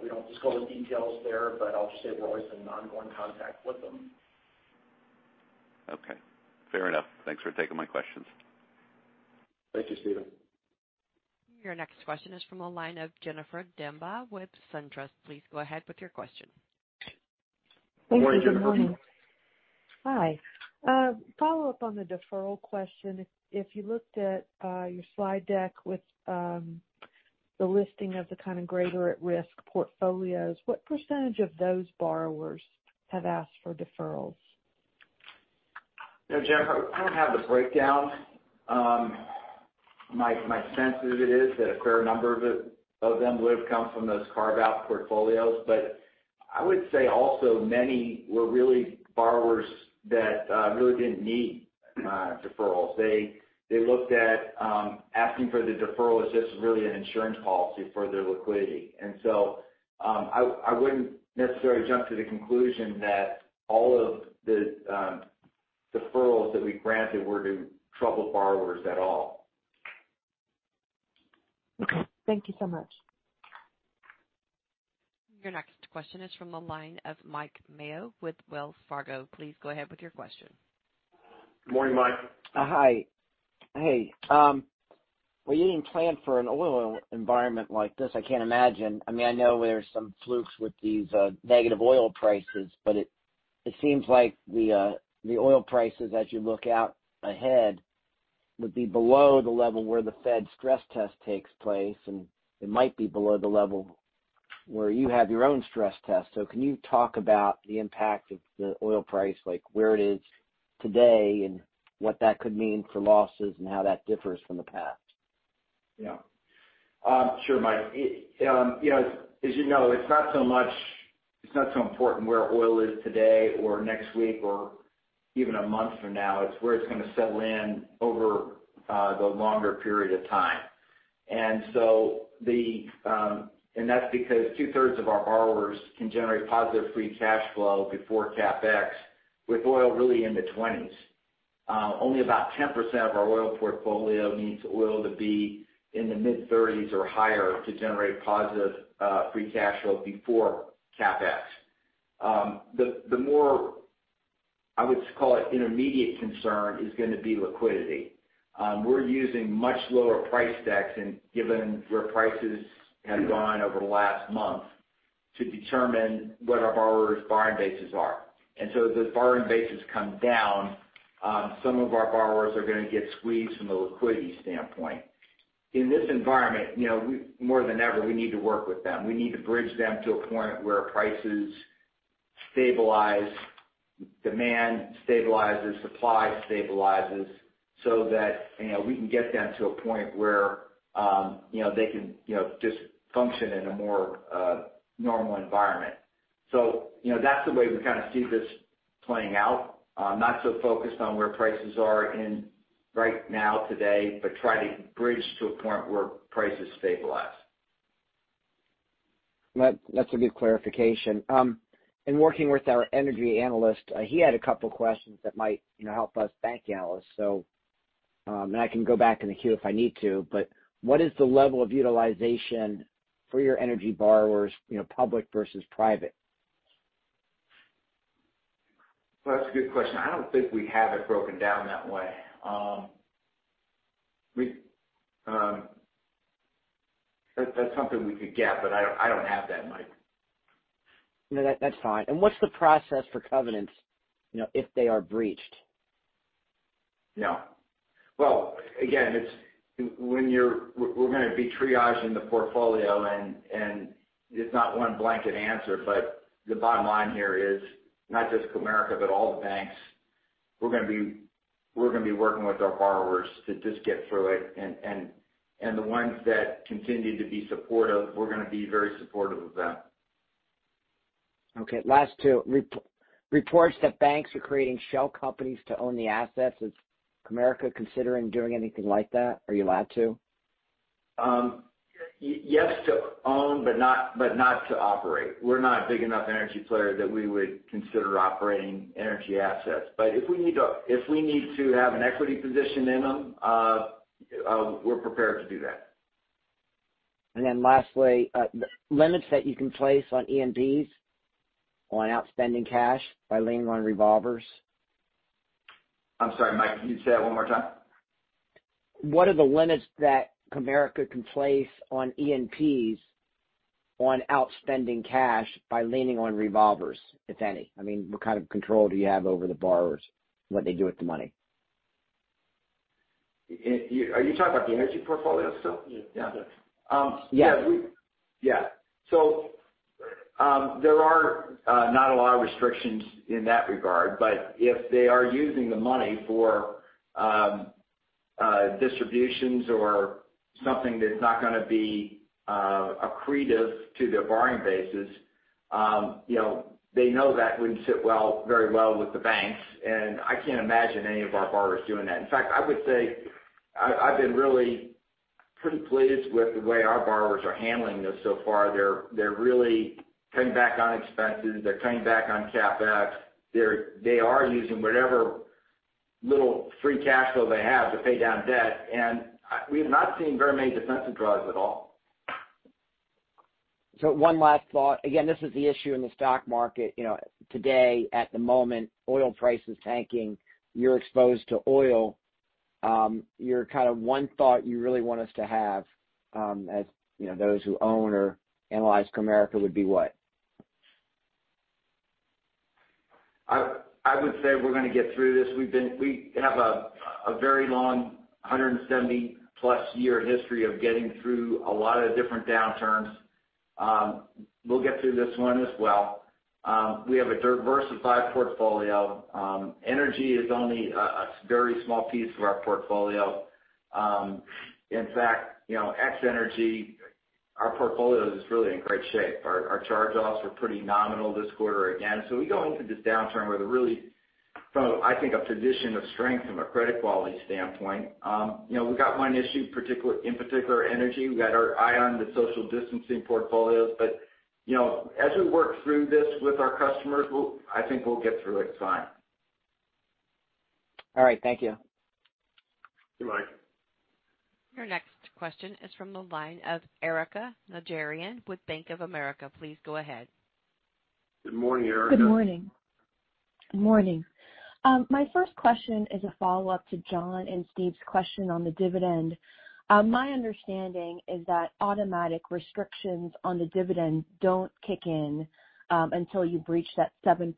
We don't disclose the details there, but I'll just say we're always in ongoing contact with them. Okay, fair enough. Thanks for taking my questions. Thank you, Steven. Your next question is from the line of Jennifer Demba with SunTrust. Please go ahead with your question. Thank you. Good morning. Hi. Follow-up on the deferral question. If you looked at your slide deck with the listing of the kind of greater at-risk portfolios, what percentage of those borrowers have asked for deferrals? Jennifer, I don't have the breakdown. My sense of it is that a fair number of them would've come from those carve-out portfolios. I would say also many were really borrowers that really didn't need deferrals. They looked at asking for the deferral as just really an insurance policy for their liquidity. I wouldn't necessarily jump to the conclusion that all of the deferrals that we granted were to troubled borrowers at all. Okay. Thank you so much. Your next question is from the line of Mike Mayo with Wells Fargo. Please go ahead with your question. Good morning, Mike. Hi. Hey. Well, you didn't plan for an oil environment like this, I can't imagine. I know there's some flukes with these negative oil prices, but it seems like the oil prices as you look out ahead would be below the level where the Fed stress test takes place, and it might be below the level where you have your own stress test. Can you talk about the impact of the oil price, like where it is today, and what that could mean for losses and how that differs from the past? Yeah. Sure, Mike. As you know, it's not so important where oil is today or next week or even a month from now. It's where it's going to settle in over the longer period of time. That's because two-thirds of our borrowers can generate positive free cash flow before CapEx with oil really in the 20s. Only about 10% of our oil portfolio needs oil to be in the mid-30s or higher to generate positive free cash flow before CapEx. The more, I would call it intermediate concern is going to be liquidity. We're using much lower price decks and given where prices have gone over the last month to determine what our borrowers' borrowing bases are. So as those borrowing bases come down, some of our borrowers are going to get squeezed from a liquidity standpoint. In this environment, more than ever, we need to work with them. We need to bridge them to a point where prices stabilize, demand stabilizes, supply stabilizes. That we can get them to a point where they can just function in a more normal environment. That's the way we kind of see this playing out. Not so focused on where prices are right now today, but try to bridge to a point where prices stabilize. That's a good clarification. In working with our energy analyst, he had two questions that might help us bank analysts. I can go back in the queue if I need to. What is the level of utilization for your energy borrowers, public versus private? Well, that's a good question. I don't think we have it broken down that way. That's something we could get, but I don't have that, Mike. No, that's fine. What's the process for covenants if they are breached? Well, again, we're going to be triaging the portfolio and it's not one blanket answer, but the bottom line here is not just Comerica, but all the banks, we're going to be working with our borrowers to just get through it, and the ones that continue to be supportive, we're going to be very supportive of them. Okay. Last two. Reports that banks are creating shell companies to own the assets. Is Comerica considering doing anything like that? Are you allowed to? Yes to own, but not to operate. We're not a big enough energy player that we would consider operating energy assets. If we need to have an equity position in them, we're prepared to do that. Lastly, limits that you can place on E&Ps on outspending cash by leaning on revolvers. I'm sorry, Mike, can you say that one more time? What are the limits that Comerica can place on E&Ps on outspending cash by leaning on revolvers, if any? What kind of control do you have over the borrowers, what they do with the money? Are you talking about the energy portfolio still? Yeah. There are not a lot of restrictions in that regard, but if they are using the money for distributions or something that's not going to be accretive to their borrowing bases. They know that wouldn't sit very well with the banks, and I can't imagine any of our borrowers doing that. In fact, I would say I've been really pretty pleased with the way our borrowers are handling this so far. They're really cutting back on expenses. They're cutting back on CapEx. They are using whatever little free cash flow they have to pay down debt. We have not seen very many defensive draws at all. One last thought. Again, this is the issue in the stock market today at the moment, oil price is tanking. You're exposed to oil. Your one thought you really want us to have, as those who own or analyze Comerica, would be what? I would say we're going to get through this. We have a very long 170+ year history of getting through a lot of different downturns. We'll get through this one as well. We have a diversified portfolio. Energy is only a very small piece of our portfolio. In fact, ex energy, our portfolio is really in great shape. Our charge-offs were pretty nominal this quarter again. We go into this downturn with a really, I think, a position of strength from a credit quality standpoint. We've got one issue in particular, energy. We've got our eye on the social distancing portfolios, as we work through this with our customers, I think we'll get through it fine. All right. Thank you. You're welcome. Your next question is from the line of Erika Najarian with Bank of America. Please go ahead. Good morning, Erika. Good morning. My first question is a follow-up to John and Steve's question on the dividend. My understanding is that automatic restrictions on the dividend don't kick in until you breach that 7%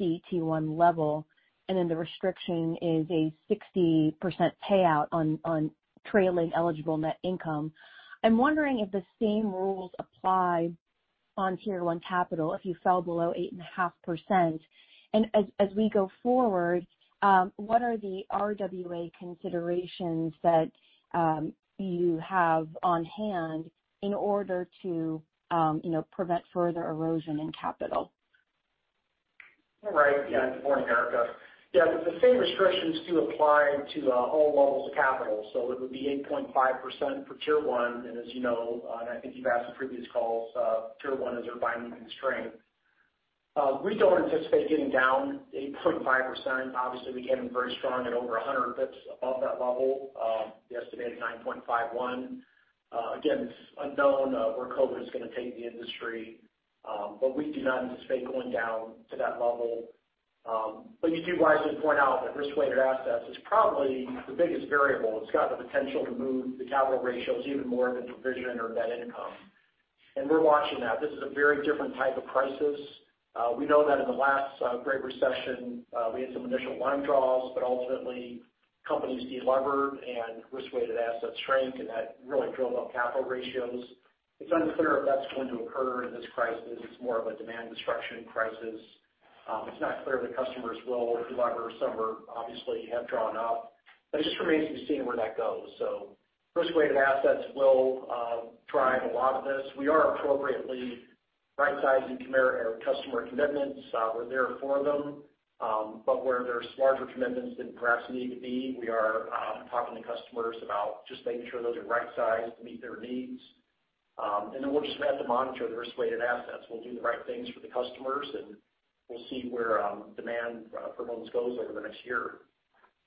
CET1 level, and then the restriction is a 60% payout on trailing eligible net income. I'm wondering if the same rules apply on Tier 1 capital if you fell below 8.5%. As we go forward, what are the RWA considerations that you have on hand in order to prevent further erosion in capital? You're right. Good morning, Erika. The same restrictions do apply to all levels of capital. It would be 8.5% for Tier 1. As you know, and I think you've asked in previous calls, Tier 1 is our binding constraint. We don't anticipate getting down 8.5%. Obviously, we came in very strong at over 100 basis points above that level, the estimated 9.51%. Again, it's unknown where COVID-19 is going to take the industry, we do not anticipate going down to that level. You do wisely point out that risk-weighted assets is probably the biggest variable. It's got the potential to move the capital ratios even more than provision or net income. We're watching that. This is a very different type of crisis. We know that in the last Great Recession, we had some initial line draws, but ultimately companies de-levered and risk-weighted assets shrank, that really drove up capital ratios. It's unclear if that's going to occur in this crisis. It's more of a demand destruction crisis. It's not clear if the customers will de-lever. Some obviously have drawn up, it just remains to be seen where that goes. Risk-weighted assets will drive a lot of this. We are appropriately rightsizing Comerica customer commitments. We're there for them. Where there's larger commitments than perhaps need to be, we are talking to customers about just making sure those are right-sized to meet their needs. We'll just have to monitor the risk-weighted assets. We'll do the right things for the customers, we'll see where demand for loans goes over the next year.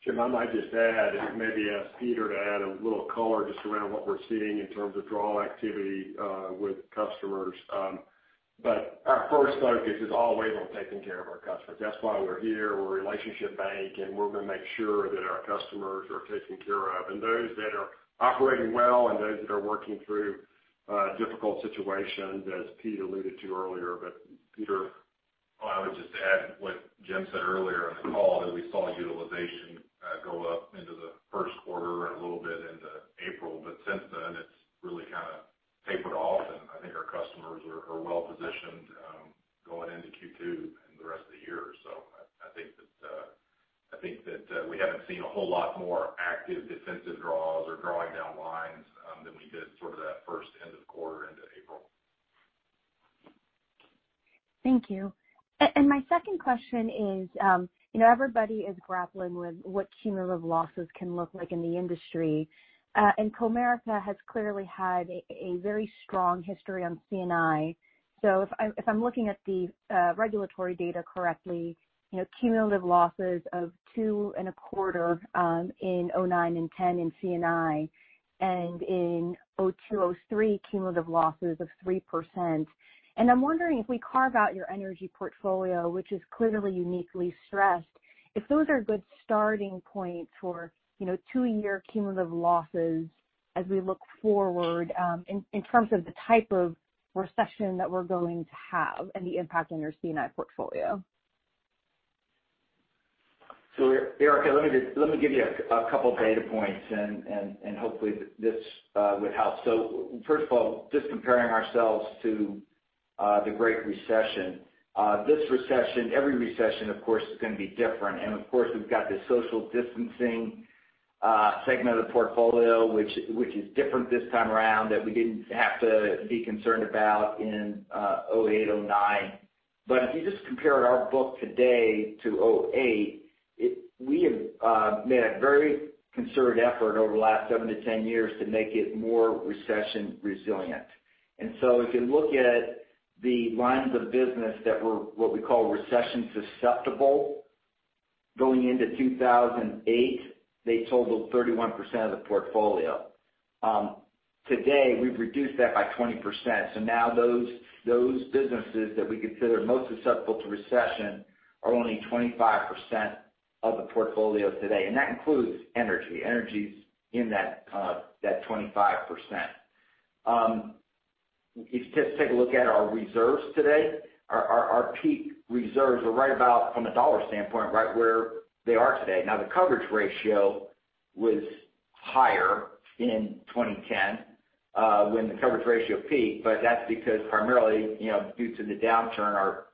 Jim, I might just add and maybe ask Peter to add a little color just around what we're seeing in terms of draw activity with customers. Our first focus is always on taking care of our customers. That's why we're here. We're a relationship bank, and we're going to make sure that our customers are taken care of and those that are operating well and those that are working through difficult situations, as Pete alluded to earlier. Peter? I would just add what Jim said earlier on the call that we saw utilization go up into the first quarter and a little bit into April. Since then, it's really kind of tapered off, and I think our customers are well-positioned going into Q2 and the rest of the year. I think that we haven't seen a whole lot more active defensive draws or drawing down lines than we did sort of that first end of the quarter into April. Thank you. My second question is, everybody is grappling with what cumulative losses can look like in the industry. Comerica has clearly had a very strong history on C&I. If I'm looking at the regulatory data correctly, cumulative losses of two and a quarter in 2009 and 2010 in C&I, and in 2002, 2003, cumulative losses of 3%. I'm wondering if we carve out your energy portfolio, which is clearly uniquely stressed, if those are good starting points for two-year cumulative losses as we look forward in terms of the type of recession that we're going to have and the impact on your C&I portfolio. Erika, let me give you a couple data points, and hopefully this would help. First of all, just comparing ourselves to the Great Recession. This recession, every recession, of course, is going to be different. Of course, we've got this social distancing segment of the portfolio, which is different this time around that we didn't have to be concerned about in 2008, 2009. If you just compare our book today to 2008, we have made a very concerted effort over the last seven to 10 years to make it more recession resilient. If you look at the lines of business that were what we call recession susceptible. Going into 2008, they totaled 31% of the portfolio. Today, we've reduced that by 20%. Now those businesses that we consider most susceptible to recession are only 25% of the portfolio today, and that includes energy. Energy's in that 25%. If you just take a look at our reserves today, our peak reserves are right about, from a dollar standpoint, right where they are today. The coverage ratio was higher in 2010 when the coverage ratio peaked, but that's because primarily, due to the downturn, our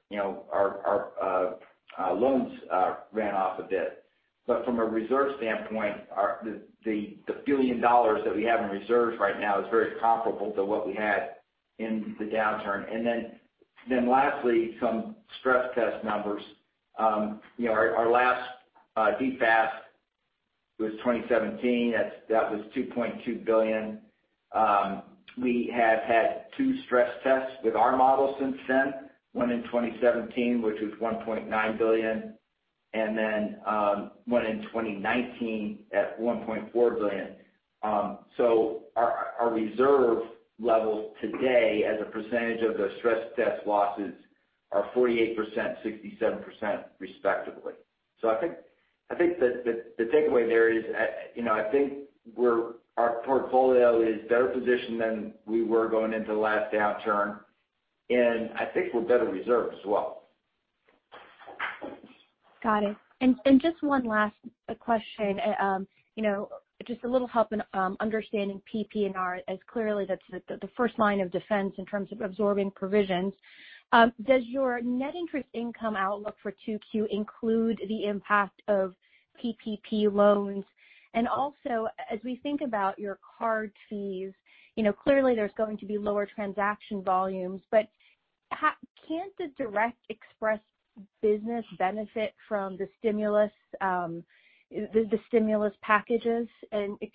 loans ran off a bit. From a reserve standpoint, the billion dollars that we have in reserves right now is very comparable to what we had in the downturn. Lastly, some stress test numbers. Our last DFAST was 2017. That was $2.2 billion. We have had two stress tests with our model since then. One in 2017, which was $1.9 billion, and then one in 2019 at $1.4 billion. Our reserve level today as a percentage of those stress test losses are 48%, 67%, respectively. I think the takeaway there is, I think our portfolio is better positioned than we were going into the last downturn, and I think we're better reserved as well. Got it. Just one last question. Just a little help in understanding PPNR, as clearly that's the first line of defense in terms of absorbing provisions. Does your net interest income outlook for 2Q include the impact of PPP loans? As we think about your card fees, clearly there's going to be lower transaction volumes, but can the Direct Express business benefit from the stimulus packages?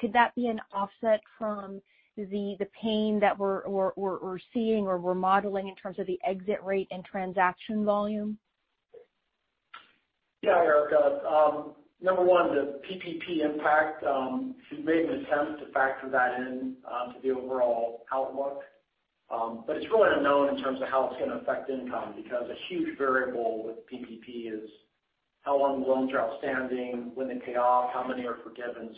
Could that be an offset from the pain that we're seeing or we're modeling in terms of the exit rate and transaction volume? Yeah, Erika. Number one, the PPP impact, we've made an attempt to factor that into the overall outlook. It's really unknown in terms of how it's going to affect income, because a huge variable with PPP is how long the loans are outstanding, when they pay off, how many are forgiven.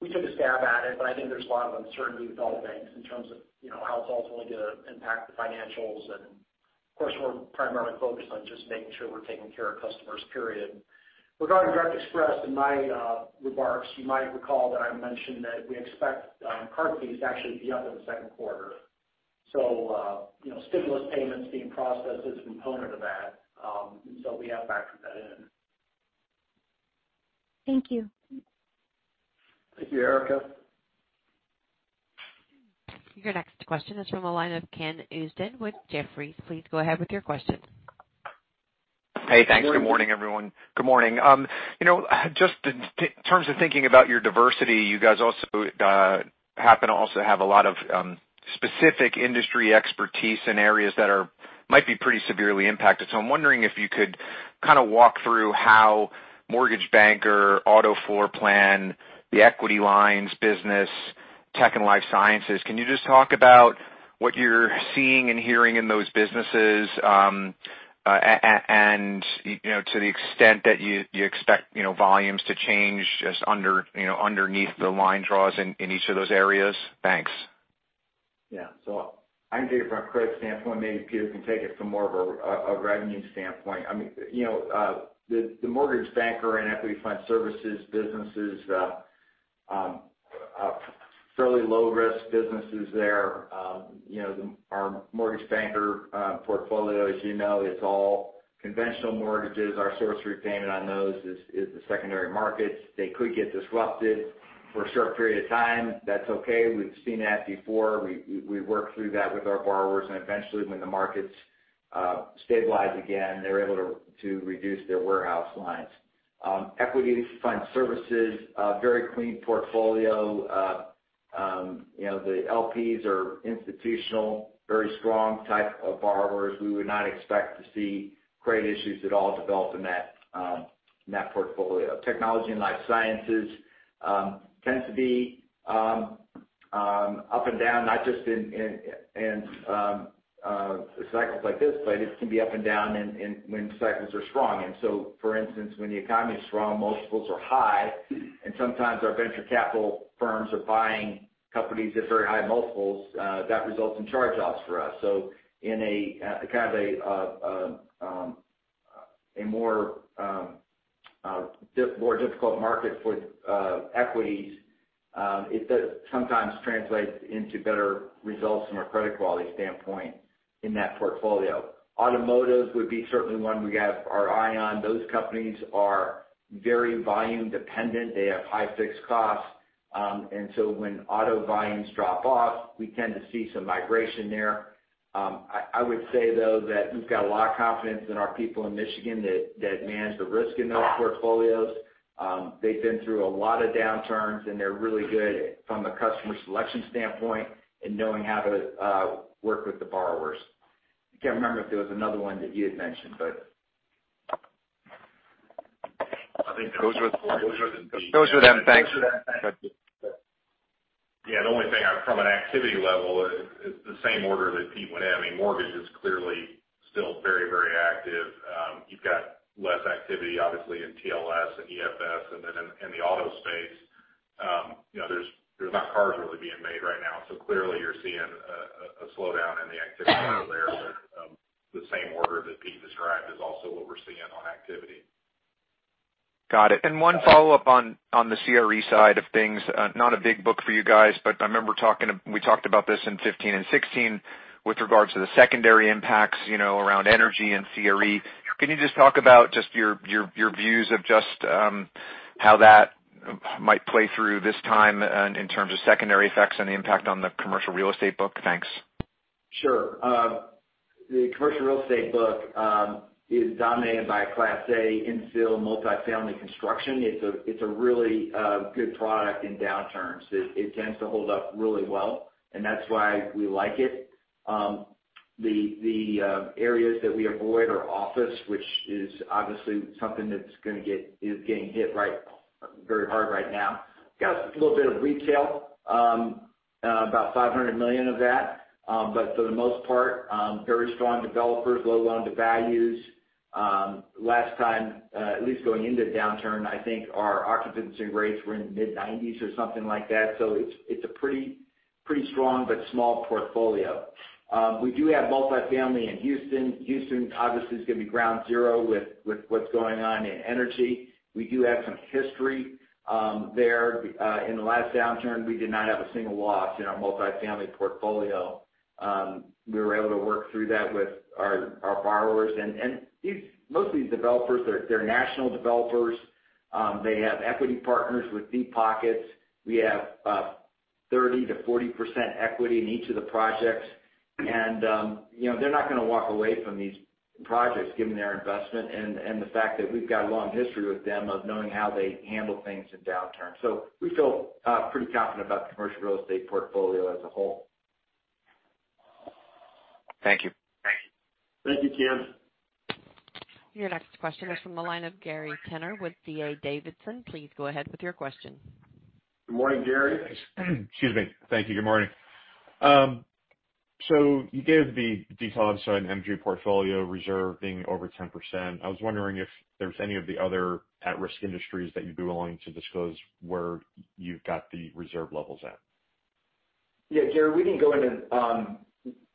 We took a stab at it, but I think there's a lot of uncertainty with all banks in terms of how it's ultimately going to impact the financials. Of course, we're primarily focused on just making sure we're taking care of customers, period. Regarding Direct Express, in my remarks, you might recall that I mentioned that we expect card fees to actually be up in the second quarter. Stimulus payments being processed is a component of that. We have factored that in. Thank you. Thank you, Erica. Your next question is from the line of Ken Usdin with Jefferies. Please go ahead with your question. Hey, thanks. Good morning, everyone. Good morning. Just in terms of thinking about your diversity, you guys also happen to also have a lot of specific industry expertise in areas that might be pretty severely impacted. I'm wondering if you could kind of walk through how mortgage banker, auto floor plan, the equity lines business, tech and life sciences. Can you just talk about what you're seeing and hearing in those businesses? To the extent that you expect volumes to change just underneath the line draws in each of those areas. Thanks. I can take it from a credit standpoint, maybe Peter can take it from more of a revenue standpoint. The mortgage banker and Equity Fund Services businesses are fairly low risk businesses there. Our mortgage banker portfolio, as you know, is all conventional mortgages. Our source of repayment on those is the secondary markets. They could get disrupted for a short period of time. That's okay. We've seen that before. We've worked through that with our borrowers, and eventually when the markets stabilize again, they're able to reduce their warehouse lines. Equity Fund Services, very clean portfolio. The LPs are institutional, very strong type of borrowers. We would not expect to see credit issues at all develop in that portfolio. Technology and Life Sciences tends to be up and down, not just in cycles like this, but it can be up and down when cycles are strong. For instance, when the economy is strong, multiples are high, and sometimes our venture capital firms are buying companies at very high multiples. That results in charge-offs for us. In a kind of a more difficult market for equities, it does sometimes translate into better results from a credit quality standpoint in that portfolio. Automotive would be certainly one we have our eye on. Those companies are very volume dependent. They have high fixed costs. When auto volumes drop off, we tend to see some migration there. I would say, though, that we've got a lot of confidence in our people in Michigan that manage the risk in those portfolios. They've been through a lot of downturns, and they're really good from the customer selection standpoint and knowing how to work with the borrowers. I can't remember if there was another one that you had mentioned. I think those were the four. Those were them. Thanks. Yeah. The only thing from an activity level is the same order that Pete went in. You've got less activity, obviously, in TLS and EFS. In the auto space, there's not cars really being made right now. Clearly you're seeing a slowdown in the activity level there. The same order that Pete described is also what we're seeing on activity. Got it. One follow-up on the CRE side of things. Not a big book for you guys, but I remember we talked about this in 2015 and 2016 with regards to the secondary impacts around energy and CRE. Can you just talk about just your views of just how that might play through this time and in terms of secondary effects on the impact on the commercial real estate book? Thanks. Sure. The commercial real estate book is dominated by Class A infill multifamily construction. It's a really good product in downturns. It tends to hold up really well, and that's why we like it. The areas that we avoid are office, which is obviously something that is getting hit very hard right now. Got a little bit of retail, about $500 million of that. For the most part, very strong developers, low loan-to-values. Last time, at least going into the downturn, I think our occupancy rates were in the mid-90s or something like that. It's a pretty strong but small portfolio. We do have multifamily in Houston. Houston obviously is going to be ground zero with what's going on in energy. We do have some history there. In the last downturn, we did not have a single loss in our multifamily portfolio. We were able to work through that with our borrowers. Mostly these developers, they're national developers. They have equity partners with deep pockets. We have 30%-40% equity in each of the projects. They're not going to walk away from these projects given their investment and the fact that we've got a long history with them of knowing how they handle things in downturns. We feel pretty confident about the commercial real estate portfolio as a whole. Thank you. Thank you, Ken. Your next question is from the line of Gary Tenner with D.A. Davidson. Please go ahead with your question. Good morning, Gary. Excuse me. Thank you. Good morning. You gave the details on energy portfolio reserve being over 10%. I was wondering if there's any of the other at-risk industries that you'd be willing to disclose where you've got the reserve levels at. Yeah, Gary, we didn't go into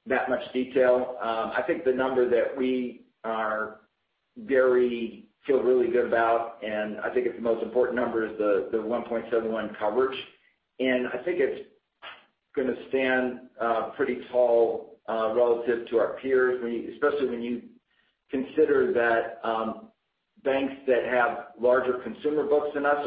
that much detail. I think the number that we feel really good about, and I think it's the most important number, is the 1.71 coverage. I think it's going to stand pretty tall relative to our peers, especially when you consider that banks that have larger consumer books than us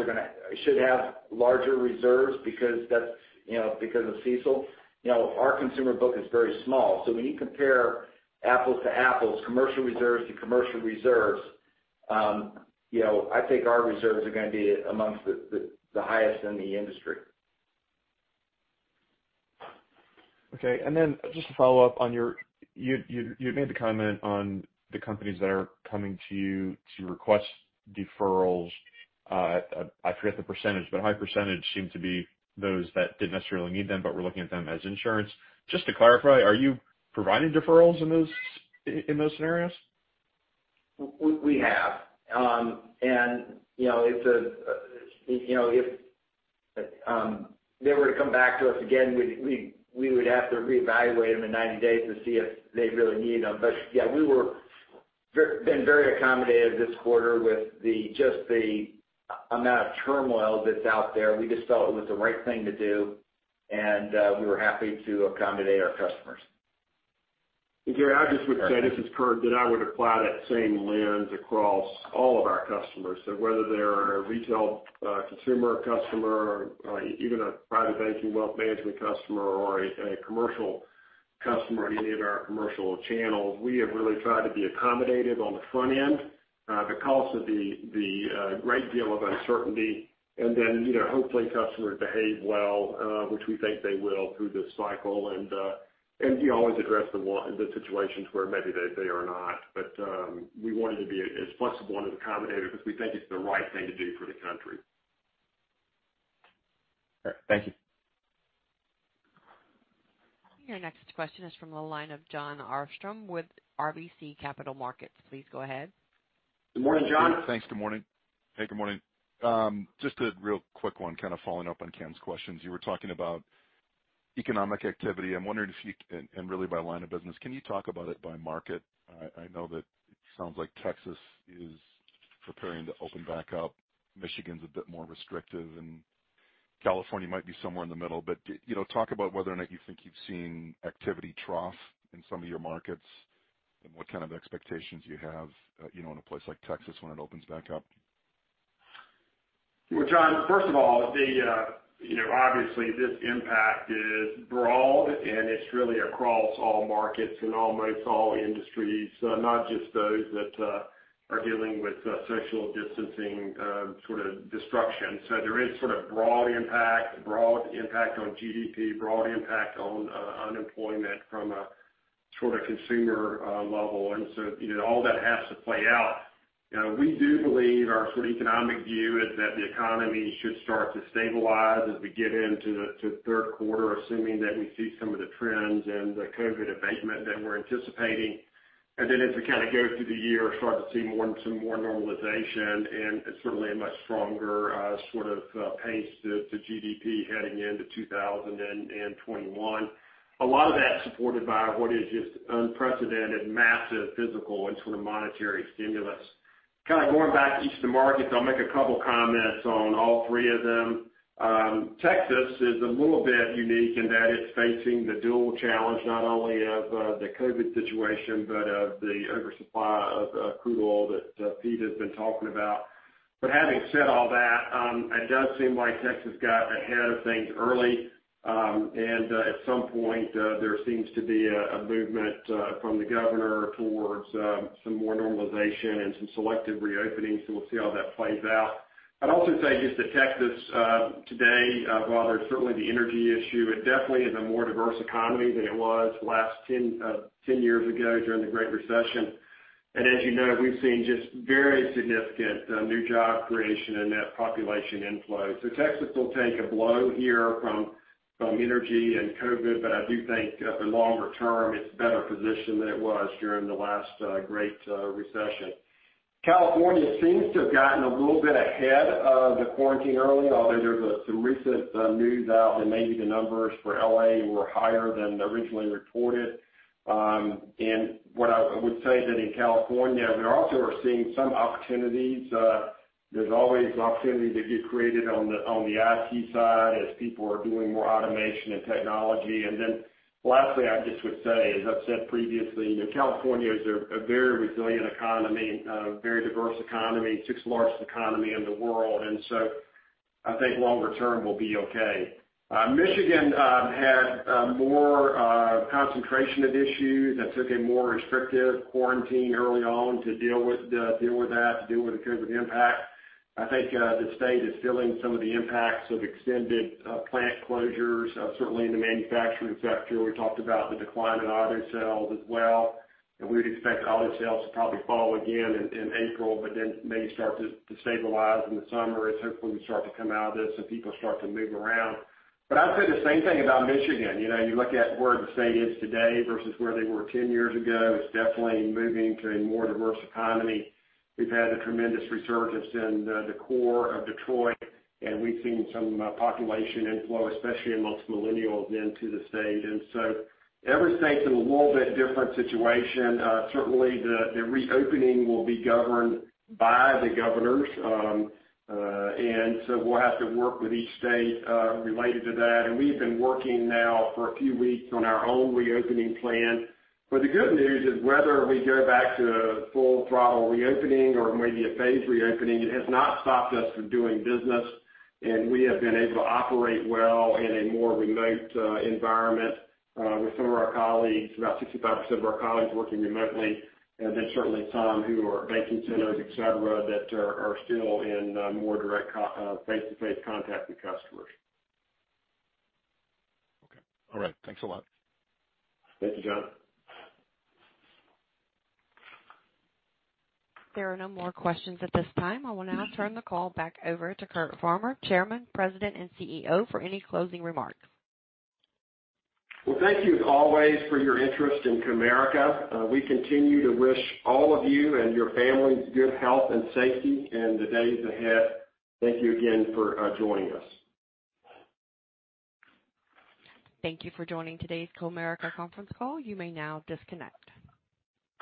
should have larger reserves because of CECL. Our consumer book is very small. When you compare apples to apples, commercial reserves to commercial reserves, I think our reserves are going to be amongst the highest in the industry. Okay, just to follow up, you had made the comment on the companies that are coming to you to request deferrals. I forget the percentage, a high percentage seem to be those that didn't necessarily need them, but were looking at them as insurance. Just to clarify, are you providing deferrals in those scenarios? We have. If they were to come back to us again, we would have to reevaluate them in 90 days to see if they really need them. Yeah, we were very accommodative this quarter with just the amount of turmoil that's out there. We just felt it was the right thing to do, and we were happy to accommodate our customers. Gary, I just would say, this is Curt, that I would apply that same lens across all of our customers. Whether they're a retail consumer customer or even a private banking wealth management customer or a commercial customer in any of our commercial channels, we have really tried to be accommodative on the front end because of the great deal of uncertainty. Then hopefully customers behave well, which we think they will through this cycle. We always address the situations where maybe they are not. We wanted to be as flexible and accommodative because we think it's the right thing to do for the country. All right. Thank you. Your next question is from the line of Jon Arfstrom with RBC Capital Markets. Please go ahead. Good morning, John. Thanks. Good morning. Hey, good morning. Just a real quick one, kind of following up on Ken's questions. You were talking about economic activity. I'm wondering, and really by line of business, can you talk about it by market? I know that it sounds like Texas is preparing to open back up. Michigan's a bit more restrictive, and California might be somewhere in the middle. Talk about whether or not you think you've seen activity trough in some of your markets, and what kind of expectations you have in a place like Texas when it opens back up. John, first of all, obviously, this impact is broad. It's really across all markets and almost all industries, not just those that are dealing with social distancing sort of disruption. There is sort of broad impact on GDP, broad impact on unemployment from a sort of consumer level. All that has to play out. We do believe our sort of economic view is that the economy should start to stabilize as we get into third quarter, assuming that we see some of the trends and the COVID abatement that we're anticipating. As we kind of go through the year, start to see some more normalization and certainly a much stronger sort of pace to GDP heading into 2021. A lot of that's supported by what is just unprecedented, massive physical and sort of monetary stimulus. Kind of going back each to markets, I'll make a couple comments on all three of them. Texas is a little bit unique in that it's facing the dual challenge not only of the COVID-19 situation, but of the oversupply of crude oil that Pete has been talking about. Having said all that, it does seem like Texas got ahead of things early. At some point, there seems to be a movement from the governor towards some more normalization and some selective reopenings. We'll see how that plays out. I'd also say just to Texas today, while there's certainly the energy issue, it definitely is a more diverse economy than it was 10 years ago during the Great Recession. As you know, we've seen just very significant new job creation and net population inflow. Texas will take a blow here from energy and COVID-19, but I do think for longer term, it's better positioned than it was during the last Great Recession. California seems to have gotten a little bit ahead of the quarantine early, although there's some recent news out that maybe the numbers for L.A. were higher than originally reported. What I would say that in California, we also are seeing some opportunities. There's always opportunity to get created on the IT side as people are doing more automation and technology. Lastly, I just would say, as I've said previously, California is a very resilient economy, a very diverse economy, sixth-largest economy in the world. I think longer term we'll be okay. Michigan had more concentration of issues that took a more restrictive quarantine early on to deal with that, to deal with the COVID-19 impact. I think the state is feeling some of the impacts of extended plant closures, certainly in the manufacturing sector. We talked about the decline in auto sales as well, and we would expect auto sales to probably fall again in April, but then maybe start to stabilize in the summer as hopefully we start to come out of this and people start to move around. I'd say the same thing about Michigan. You look at where the state is today versus where they were 10 years ago. It's definitely moving to a more diverse economy. We've had a tremendous resurgence in the core of Detroit, and we've seen some population inflow, especially in lots of millennials into the state. Every state's in a little bit different situation. Certainly, the reopening will be governed by the governors. We'll have to work with each state related to that. We've been working now for a few weeks on our own reopening plan. The good news is, whether we go back to full throttle reopening or maybe a phased reopening, it has not stopped us from doing business, and we have been able to operate well in a more remote environment with some of our colleagues, about 65% of our colleagues working remotely, and then certainly some who are banking centers, et cetera, that are still in more direct face-to-face contact with customers. Okay. All right. Thanks a lot. Thank you, John. There are no more questions at this time. I will now turn the call back over to Curt Farmer, Chairman, President, and CEO, for any closing remarks. Well, thank you as always for your interest in Comerica. We continue to wish all of you and your families good health and safety in the days ahead. Thank you again for joining us. Thank you for joining today's Comerica conference call. You may now disconnect.